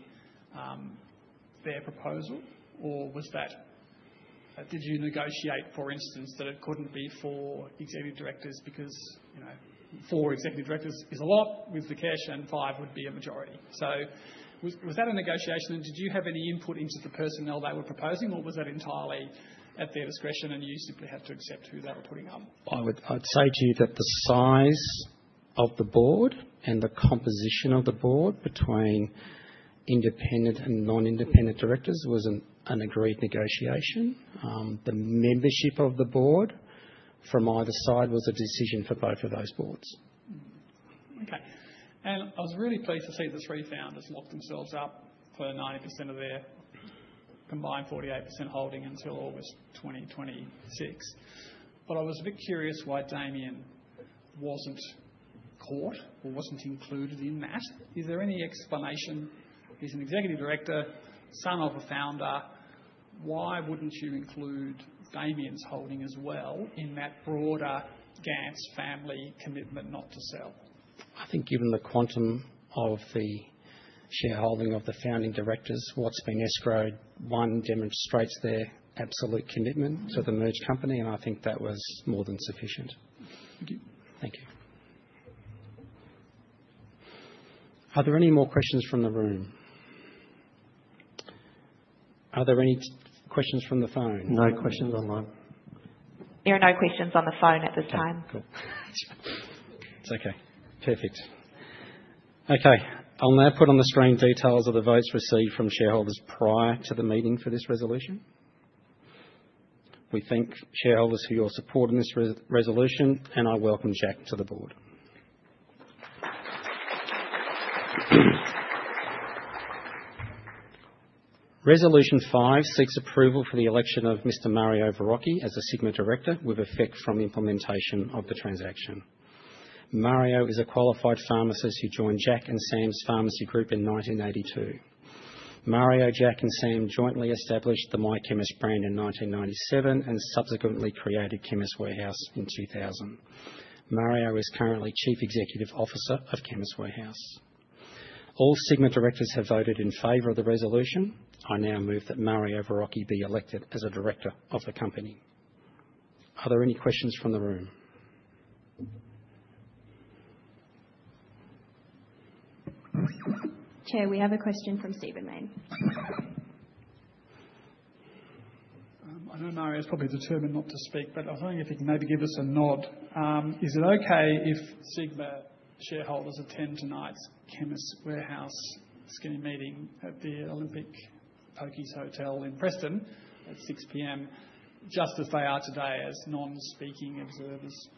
their proposal, or did you negotiate, for instance, that it couldn't be four executive directors because four executive directors is a lot with the CW, and five would be a majority? So was that a negotiation, and did you have any input into the personnel they were proposing, or was that entirely at their discretion, and you simply had to accept who they were putting up? I would say to you that the size of the board and the composition of the board between independent and non-independent directors was an agreed negotiation. The membership of the board from either side was a decision for both of those boards. Okay, and I was really pleased to see that three founders locked themselves up for 90% of their combined 48% holding until August 2026, but I was a bit curious why Damien wasn't caught or wasn't included in that. Is there any explanation? He's an executive director, son of a founder. Why wouldn't you include Damien's holding as well in that broader Gance family commitment not to sell? I think given the quantum of the shareholding of the founding directors, what's been escrowed, one demonstrates their absolute commitment to the merged company, and I think that was more than sufficient. Thank you. Thank you. Are there any more questions from the room? Are there any questions from the phone? No questions online. There are no questions on the phone at this time. Okay. Cool. I'll now put on the screen details of the votes received from shareholders prior to the meeting for this resolution. We thank shareholders for your support in this resolution, and I welcome Jack to the board. Resolution five seeks approval for the election of Mr. Mario Verrocchi as a Sigma director with effect from implementation of the transaction. Mario is a qualified pharmacist who joined Jack and Sam's pharmacy group in 1982. Mario, Jack, and Sam jointly established the My Chemist brand in 1997 and subsequently created Chemist Warehouse in 2000. Mario is currently Chief Executive Officer of Chemist Warehouse. All Sigma directors have voted in favor of the resolution. I now move that Mario Verrocchi be elected as a director of the company. Are there any questions from the room? Chair, we have a question from Stephen Mayne. I know Mario's probably determined not to speak, but I was wondering if he could maybe give us a nod. Is it okay if Sigma shareholders attend tonight's Chemist Warehouse meeting at the Olympic Hotel in Preston at 6:00 P.M., just as they are today as non-speaking observers?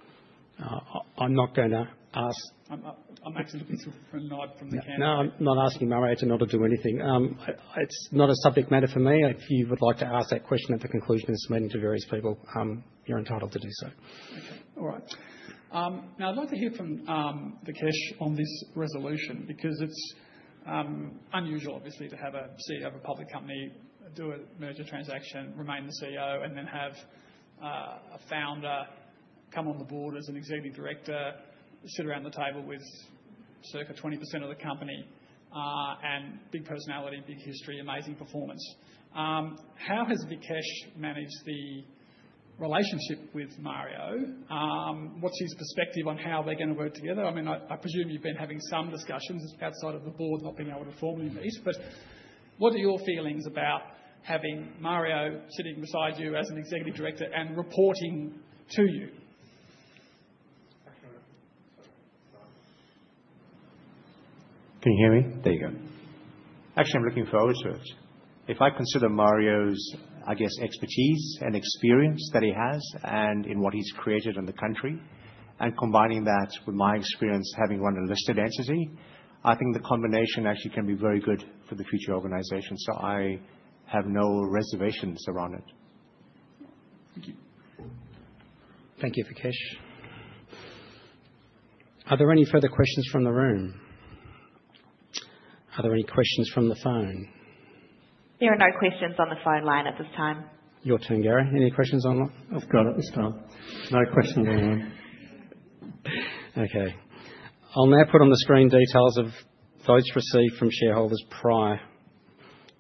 I'm not going to ask. I'm actually looking for a nod from the candidates. No, I'm not asking Mario to nod or do anything. It's not a subject matter for me. If you would like to ask that question at the conclusion of this meeting to various people, you're entitled to do so. Okay. All right. Now, I'd like to hear from the Chair on this resolution because it's unusual, obviously, to have a CEO of a public company do a merger transaction, remain the CEO, and then have a founder come on the board as an executive director, sit around the table with circa 20% of the company, and big personality, big history, amazing performance. How has Vikesh managed the relationship with Mario? What's his perspective on how they're going to work together? I mean, I presume you've been having some discussions outside of the board, not being able to formally meet, but what are your feelings about having Mario sitting beside you as an executive director and reporting to you? Can you hear me? There you go. Actually, I'm looking forward to it. If I consider Mario's, I guess, expertise and experience that he has and in what he's created in the country, and combining that with my experience having run a listed entity, I think the combination actually can be very good for the future organization. So I have no reservations around it. Thank you. Thank you, Vikesh. Are there any further questions from the room? Are there any questions from the phone? There are no questions on the phone line at this time. Your turn, Gary. Any questions online? It's got it. It's done. No questions online. Okay. I'll now put on the screen details of votes received from shareholders prior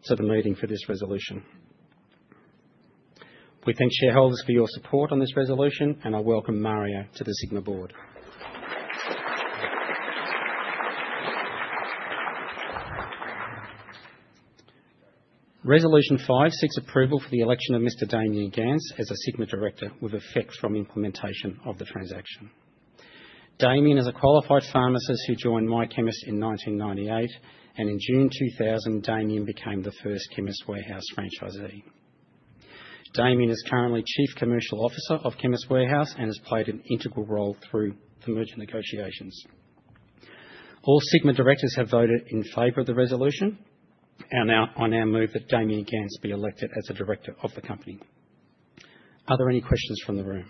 to the meeting for this resolution. We thank shareholders for your support on this resolution, and I welcome Mario to the Sigma board. Resolution five seeks approval for the election of Mr. Damien Gance as a Sigma director with effect from implementation of the transaction. Damien is a qualified pharmacist who joined My Chemist in 1998, and in June 2000, Damien became the first Chemist Warehouse franchisee. Damien is currently Chief Commercial Officer of Chemist Warehouse and has played an integral role through the merger negotiations. All Sigma directors have voted in favor of the resolution. I now move that Damien Gance be elected as a director of the company. Are there any questions from the room?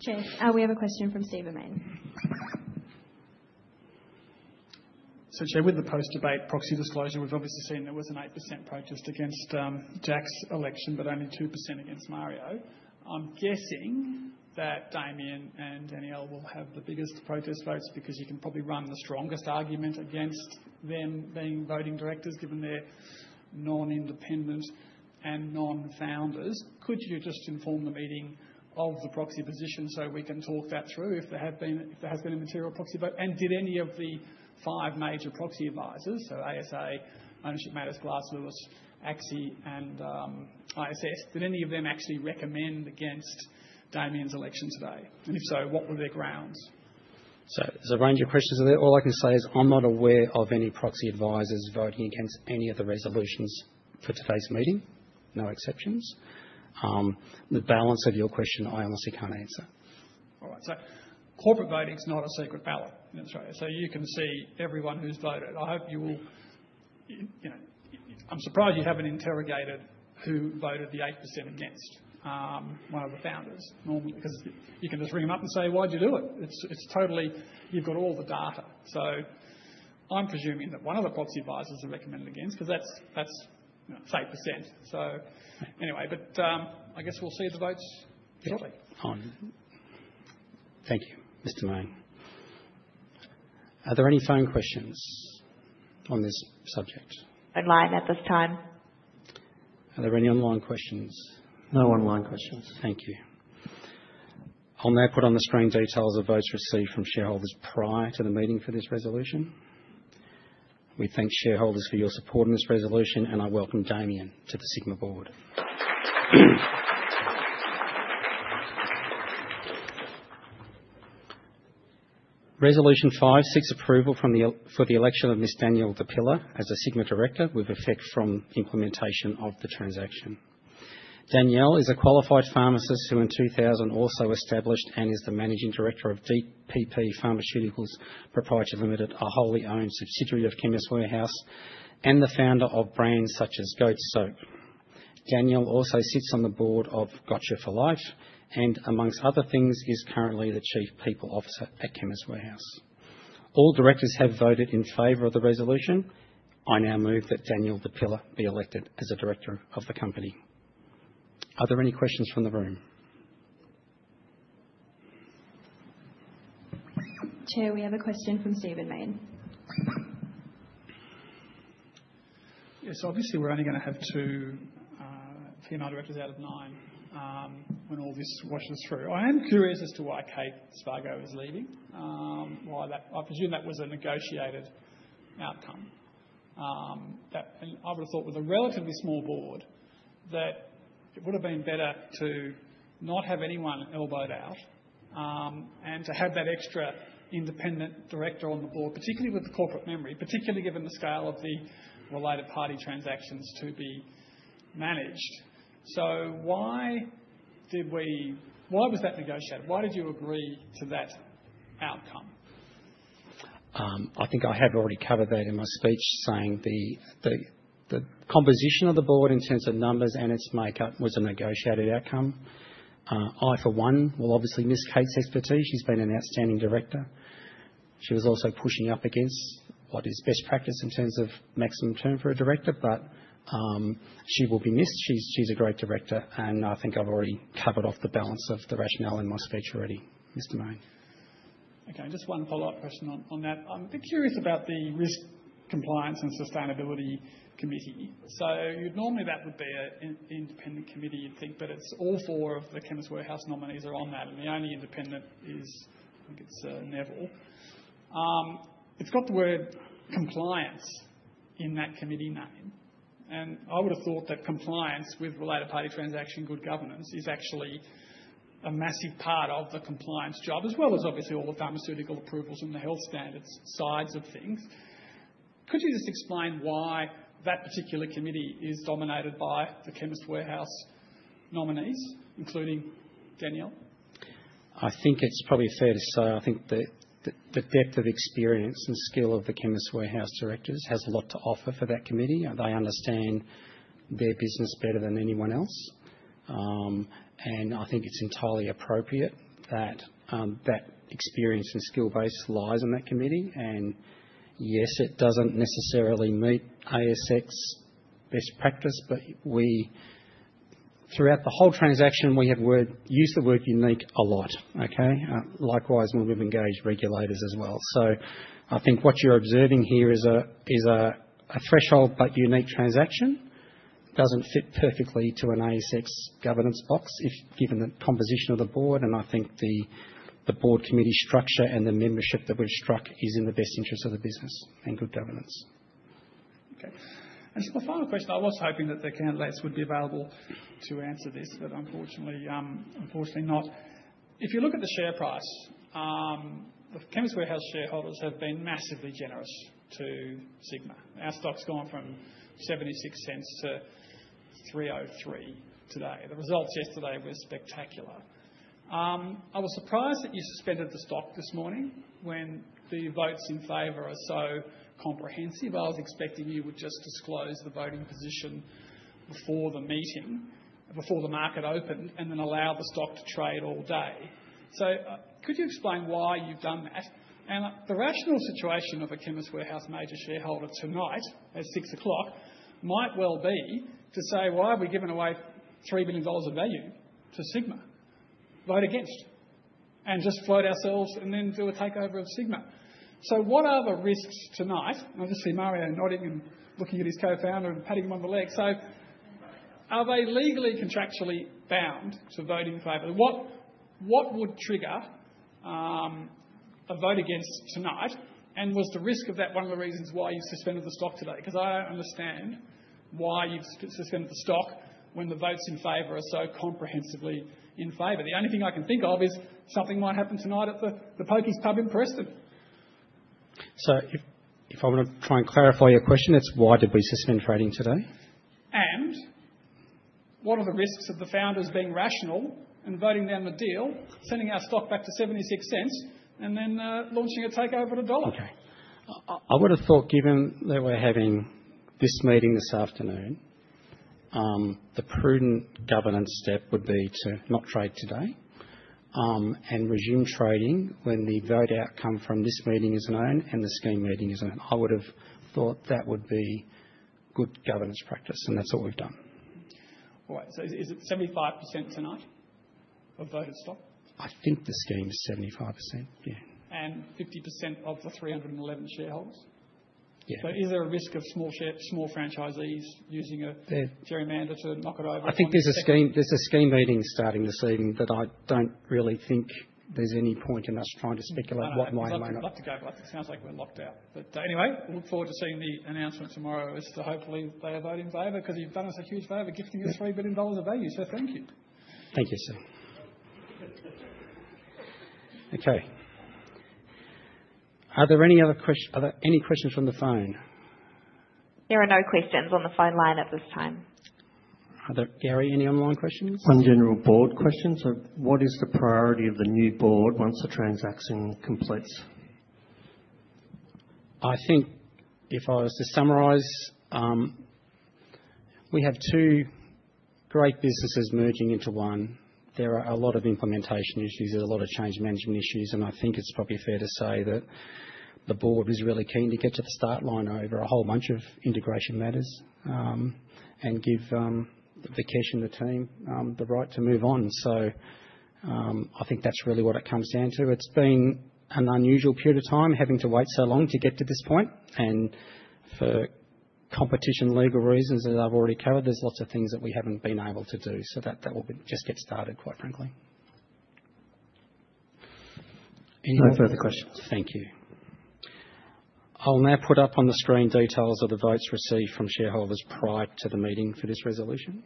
Chair, we have a question from Stephen Mayne. So, Chair, with the post-debate proxy disclosure, we've obviously seen there was an 8% protest against Jack's election, but only 2% against Mario. I'm guessing that Damien and Danielle will have the biggest protest votes because you can probably run the strongest argument against them being voting directors, given they're non-independent and non-founders. Could you just inform the meeting of the proxy position so we can talk that through if there has been a material proxy vote? And did any of the five major proxy advisors, so ASA, Ownership Matters, Glass Lewis, ACSI, and ISS, did any of them actually recommend against Damien's election today? And if so, what were their grounds? So there's a range of questions in there. All I can say is I'm not aware of any proxy advisors voting against any of the resolutions for today's meeting. No exceptions. The balance of your question, I honestly can't answer. All right. So corporate voting's not a secret ballot in Australia. So you can see everyone who's voted. I hope you will. I'm surprised you haven't interrogated who voted the 8% against one of the founders normally because you can just ring them up and say, "Why did you do it?" It's totally. You've got all the data. So I'm presuming that one of the proxy advisors has recommended against because that's 8%. So anyway, but I guess we'll see the votes shortly. Thank you, Mr. Mayne. Are there any phone questions on this subject? Online at this time. Are there any online questions? No online questions. Thank you. I'll now put on the screen details of votes received from shareholders prior to the meeting for this resolution. We thank shareholders for your support in this resolution, and I welcome Damien to the Sigma board. Resolution five seeks approval for the election of Miss Danielle Di Pilla as a Sigma director with effect from implementation of the transaction. Danielle is a qualified pharmacist who in 2000 also established and is the managing director of DPP Pharmaceuticals Proprietary Limited, a wholly owned subsidiary of Chemist Warehouse, and the founder of brands such as Goat Soap. Danielle also sits on the board of Gotcha4Life and, among other things, is currently the Chief People Officer at Chemist Warehouse. All directors have voted in favor of the resolution. I now move that Danielle Di Pilla be elected as a director of the company. Are there any questions from the room? Chair, we have a question from Stephen Mayne. Yeah. So obviously, we're only going to have two female directors out of nine when all this washes through. I am curious as to why Kate Spargo is leaving, why that, I presume that was a negotiated outcome. I would have thought with a relatively small board that it would have been better to not have anyone elbowed out and to have that extra independent director on the board, particularly with the corporate memory, particularly given the scale of the related party transactions to be managed. So why did we, why was that negotiated? Why did you agree to that outcome? I think I have already covered that in my speech, saying the composition of the board in terms of numbers and its makeup was a negotiated outcome. I, for one, will obviously miss Kate's expertise. She's been an outstanding director. She was also pushing up against what is best practice in terms of maximum term for a director, but she will be missed. She's a great director, and I think I've already covered off the balance of the rationale in my speech already, Mr. Mayne. Okay. Just one follow-up question on that. I'm a bit curious about the Risk, Compliance and Sustainability Committee. So normally that would be an Independent Committee, you'd think, but all four of the Chemist Warehouse nominees are on that, and the only independent is, I think it's Neville. It's got the word compliance in that committee name, and I would have thought that compliance with related party transaction good governance is actually a massive part of the compliance job, as well as obviously all the pharmaceutical approvals and the health standards sides of things. Could you just explain why that particular committee is dominated by the Chemist Warehouse nominees, including Danielle? I think it's probably fair to say I think the depth of experience and skill of the Chemist Warehouse directors has a lot to offer for that committee. They understand their business better than anyone else, and I think it's entirely appropriate that that experience and skill base lies in that committee. And yes, it doesn't necessarily meet ASX best practice, but throughout the whole transaction, we have used the word unique a lot, okay? Likewise, when we've engaged regulators as well. So I think what you're observing here is a threshold, but unique transaction doesn't fit perfectly to an ASX governance box given the composition of the board, and I think the Board Committee structure and the membership that we've struck is in the best interest of the business and good governance. Okay. And just my final question. I was hoping that the candidates would be available to answer this, but unfortunately, not. If you look at the share price, the Chemist Warehouse shareholders have been massively generous to Sigma. Our stock's gone from $0.76 to $3.03 today. The results yesterday were spectacular. I was surprised that you suspended the stock this morning when the votes in favor are so comprehensive. I was expecting you would just disclose the voting position before the meeting, before the market opened, and then allow the stock to trade all day. So could you explain why you've done that? And the rational situation of a Chemist Warehouse major shareholder tonight at 6:00 P.M. might well be to say, "Why have we given away $3 million of value to Sigma? Vote against and just float ourselves and then do a takeover of Sigma." So what are the risks tonight? And obviously, Mario's nodding and looking at his co-founder and patting him on the leg. So are they legally contractually bound to voting in favour? What would trigger a vote against tonight? And was the risk of that one of the reasons why you suspended the stock today? Because I don't understand why you've suspended the stock when the votes in favour are so comprehensively in favour. The only thing I can think of is something might happen tonight at the pokies pub in Preston. If I want to try and clarify your question, it's why did we suspend trading today? And what are the risks of the founders being rational and voting down the deal, sending our stock back to $0.76, and then launching a takeover of $1? Okay. I would have thought, given that we're having this meeting this afternoon, the prudent governance step would be to not trade today and resume trading when the vote outcome from this meeting is known and the scheme meeting is known. I would have thought that would be good governance practice, and that's what we've done. All right, so is it 75% tonight of voted stock? I think the scheme is 75%, yeah. 50% of the 311 shareholders? Yeah. So is there a risk of small franchisees using a gerrymander to knock it over? I think there's a scheme meeting starting this evening that I don't really think there's any point in us trying to speculate what might or might not. I'd love to go, but I think it sounds like we're locked out. But anyway, look forward to seeing the announcement tomorrow as to hopefully they are voting in favor because you've done us a huge favor gifting us 3 million dollars of value. So thank you. Thank you, sir. Okay. Are there any questions from the phone? There are no questions on the phone line at this time. Gary, any online questions? One general board question. So what is the priority of the new board once the transaction completes? I think if I was to summarise, we have two great businesses merging into one. There are a lot of implementation issues and a lot of change management issues, and I think it's probably fair to say that the board is really keen to get to the start line over a whole bunch of integration matters and give Vikesh and the team the right to move on. So I think that's really what it comes down to. It's been an unusual period of time having to wait so long to get to this point, and for competition legal reasons, as I've already covered, there's lots of things that we haven't been able to do. So that will just get started, quite frankly. Any further questions? Thank you. I'll now put up on the screen details of the votes received from shareholders prior to the meeting for this resolution.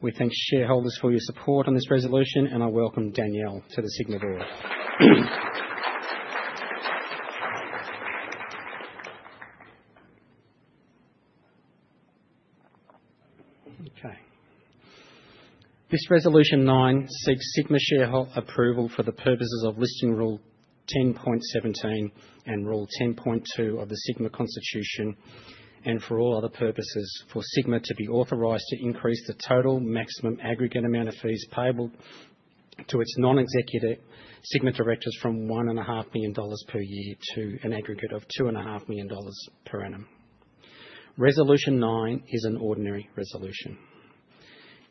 We thank shareholders for your support on this resolution, and I welcome Danielle to the Sigma board. Okay. This resolution nine seeks Sigma shareholder approval for the purposes of Listing Rule 10.17 and Rule 10.2 of the Sigma Constitution and for all other purposes for Sigma to be authorized to increase the total maximum aggregate amount of fees payable to its non-executive Sigma directors from 1.5 million dollars per year to an aggregate of 2.5 million dollars per annum. Resolution nine is an ordinary resolution.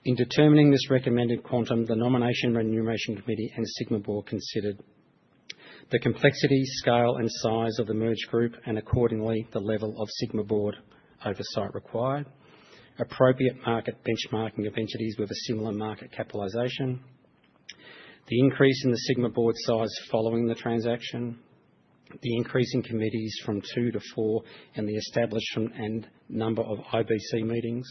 In determining this recommended quantum, the Nomination Remuneration Committee and Sigma board considered the complexity, scale, and size of the merged group, and accordingly, the level of Sigma board oversight required, appropriate market benchmarking of entities with a similar market capitalization, the increase in the Sigma board size following the transaction, the increase in committees from two to four, and the establishment and number of IBC meetings,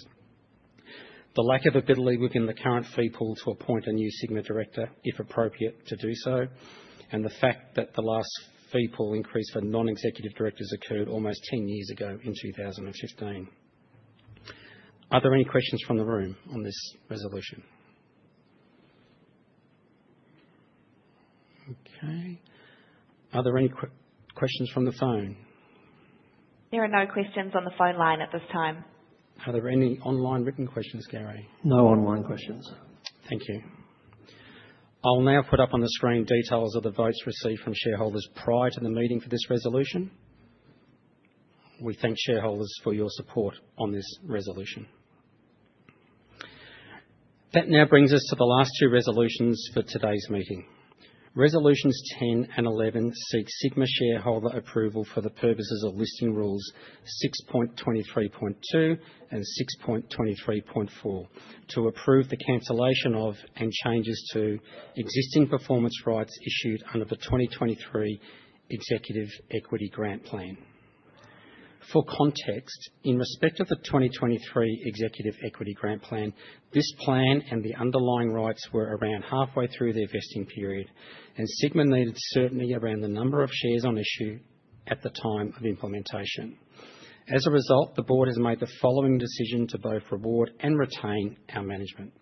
the lack of ability within the current fee pool to appoint a new Sigma director if appropriate to do so, and the fact that the last fee pool increase for non-executive directors occurred almost ten years ago in 2015. Are there any questions from the room on this resolution? Okay. Are there any questions from the phone? There are no questions on the phone line at this time. Are there any online written questions, Gary? No online questions. Thank you. I'll now put up on the screen details of the votes received from shareholders prior to the meeting for this resolution. We thank shareholders for your support on this resolution. That now brings us to the last two resolutions for today's meeting. Resolutions 10 and 11 seek Sigma shareholder approval for the purposes of Listing Rules 6.23.2 and 6.23.4 to approve the cancellation of and changes to existing performance rights issued under the 2023 Executive Equity Grant Plan. For context, in respect of the 2023 Executive Equity Grant Plan, this plan and the underlying rights were around halfway through their vesting period, and Sigma needed certainty around the number of shares on issue at the time of implementation. As a result, the board has made the following decision to both reward and retain our management.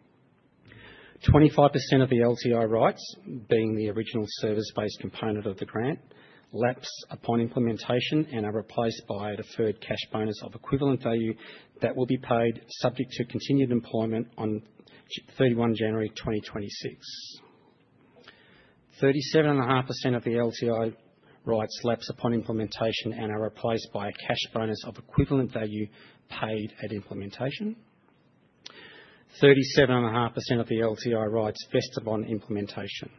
25% of the LTI rights, being the original service-based component of the grant, lapse upon implementation and are replaced by a deferred cash bonus of equivalent value that will be paid subject to continued employment on 31 January 2026. 37.5% of the LTI rights lapse upon implementation and are replaced by a cash bonus of equivalent value paid at implementation. 37.5% of the LTI rights vest upon implementation.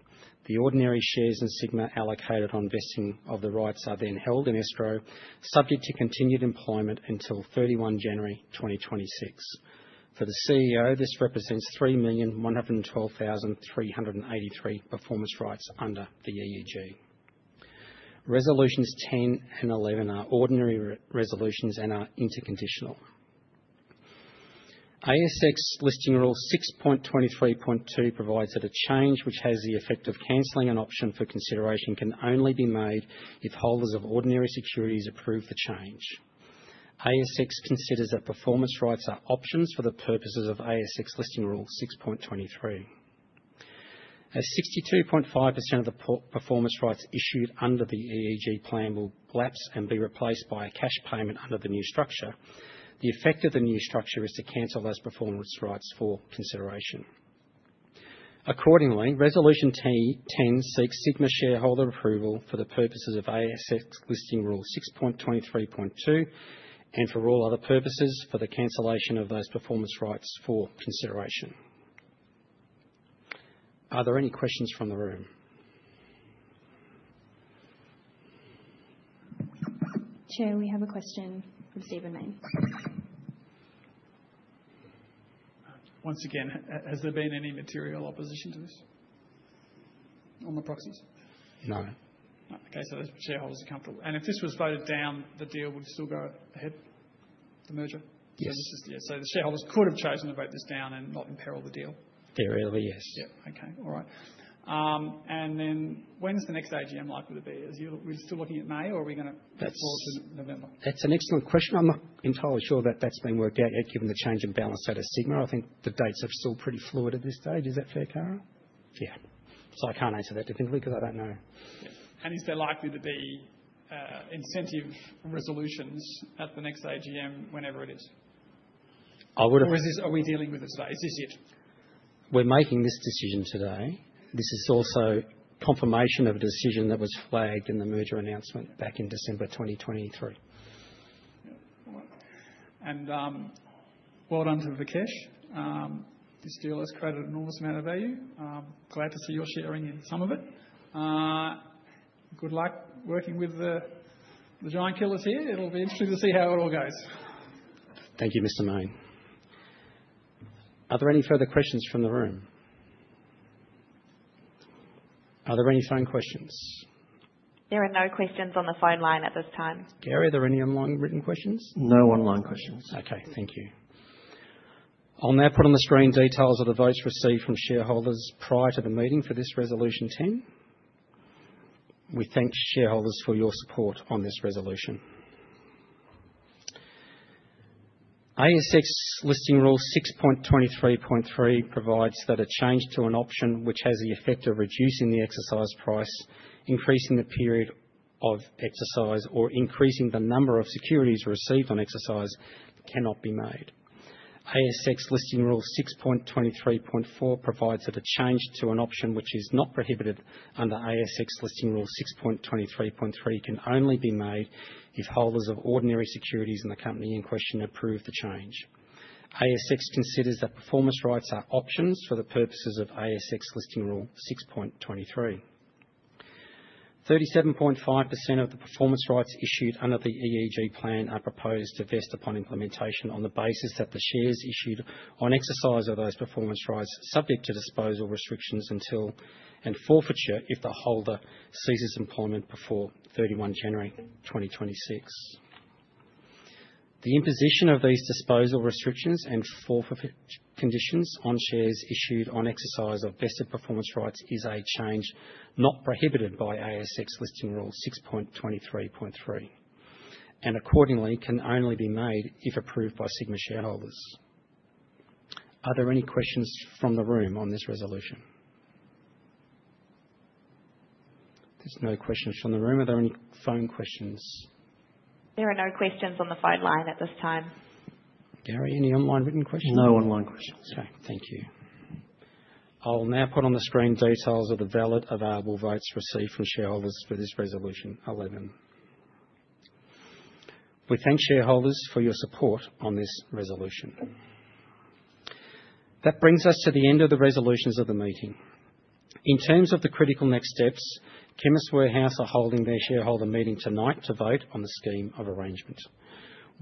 The ordinary shares in Sigma allocated on vesting of the rights are then held in escrow subject to continued employment until 31 January 2026. For the CEO, this represents 3,112,383 performance rights under the EEG. Resolutions 10 and 11 are ordinary resolutions and are interconditional. ASX Listing Rule 6.23.2 provides that a change which has the effect of cancelling an option for consideration can only be made if holders of ordinary securities approve the change. ASX considers that performance rights are options for the purposes of ASX Listing Rule 6.23. As 62.5% of the performance rights issued under the EEG plan will lapse and be replaced by a cash payment under the new structure, the effect of the new structure is to cancel those performance rights for consideration. Accordingly, resolution 10 seeks Sigma shareholder approval for the purposes of ASX Listing Rule 6.23.2 and for all other purposes for the cancellation of those performance rights for consideration. Are there any questions from the room? Chair, we have a question from Stephen Mayne. Once again, has there been any material opposition to this on the proxies? No. Okay. So shareholders are comfortable. And if this was voted down, the deal would still go ahead, the merger? Yes. So the shareholders could have chosen to vote this down and not imperil the deal? Theoretically, yes. Yeah. Okay. All right. And then when's the next AGM likely to be? Are we still looking at May, or are we going to move forward to November? That's an excellent question. I'm not entirely sure that that's been worked out yet given the change in balance sheet of Sigma. I think the dates are still pretty fluid at this stage. Is that fair, Kara? Yeah. So I can't answer that definitively because I don't know. Is there likely to be incentive resolutions at the next AGM whenever it is? I would have. Or are we dealing with it today? Is this it? We're making this decision today. This is also confirmation of a decision that was flagged in the merger announcement back in December 2023. All right. And well done to Vikesh. This deal has created an enormous amount of value. Glad to see you're sharing in some of it. Good luck working with the giant killers here. It'll be interesting to see how it all goes. Thank you, Mr. Mayne. Are there any further questions from the room? Are there any phone questions? There are no questions on the phone line at this time. Gary, are there any online written questions? No online questions. Okay. Thank you. I'll now put on the screen details of the votes received from shareholders prior to the meeting for this resolution 10. We thank shareholders for your support on this resolution. ASX Listing Rule 6.23.3 provides that a change to an option which has the effect of reducing the exercise price, increasing the period of exercise, or increasing the number of securities received on exercise cannot be made. ASX Listing Rule 6.23.4 provides that a change to an option which is not prohibited under ASX Listing Rule 6.23.3 can only be made if holders of ordinary securities in the company in question approve the change. ASX considers that performance rights are options for the purposes of ASX Listing Rule 6.23. 37.5% of the performance rights issued under the EEG plan are proposed to vest upon implementation on the basis that the shares issued on exercise of those performance rights subject to disposal restrictions and forfeiture if the holder ceases employment before 31 January 2026. The imposition of these disposal restrictions and forfeiture conditions on shares issued on exercise of vested performance rights is a change not prohibited by ASX Listing Rule 6.23.3 and accordingly can only be made if approved by Sigma shareholders. Are there any questions from the room on this resolution? There's no questions from the room. Are there any phone questions? There are no questions on the phone line at this time. Gary, any online written questions? No online questions. Okay. Thank you. I'll now put on the screen details of the valid available votes received from shareholders for this resolution 11. We thank shareholders for your support on this resolution. That brings us to the end of the resolutions of the meeting. In terms of the critical next steps, Chemist Warehouse are holding their shareholder meeting tonight to vote on the scheme of arrangement.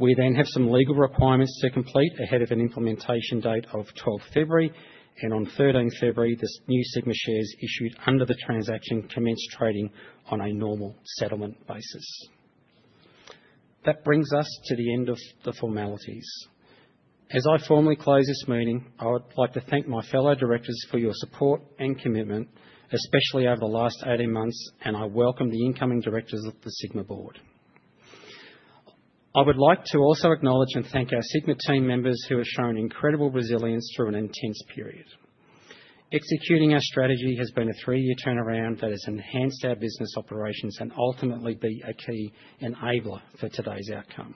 We then have some legal requirements to complete ahead of an implementation date of 12 February, and on 13 February, the new Sigma shares issued under the transaction commence trading on a normal settlement basis. That brings us to the end of the formalities. As I formally close this meeting, I would like to thank my fellow directors for your support and commitment, especially over the last 18 months, and I welcome the incoming directors of the Sigma board. I would like to also acknowledge and thank our Sigma team members who have shown incredible resilience through an intense period. Executing our strategy has been a three-year turnaround that has enhanced our business operations and ultimately been a key enabler for today's outcome.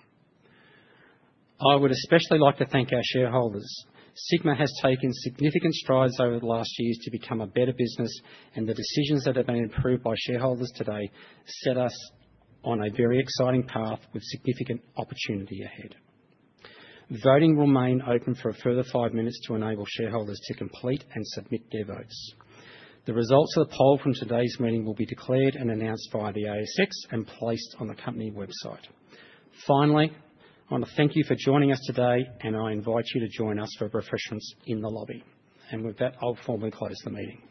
I would especially like to thank our shareholders. Sigma has taken significant strides over the last years to become a better business, and the decisions that have been approved by shareholders today set us on a very exciting path with significant opportunity ahead. Voting will remain open for a further five minutes to enable shareholders to complete and submit their votes. The results of the poll from today's meeting will be declared and announced via the ASX and placed on the company website. Finally, I want to thank you for joining us today, and I invite you to join us for refreshments in the lobby. With that, I'll formally close the meeting.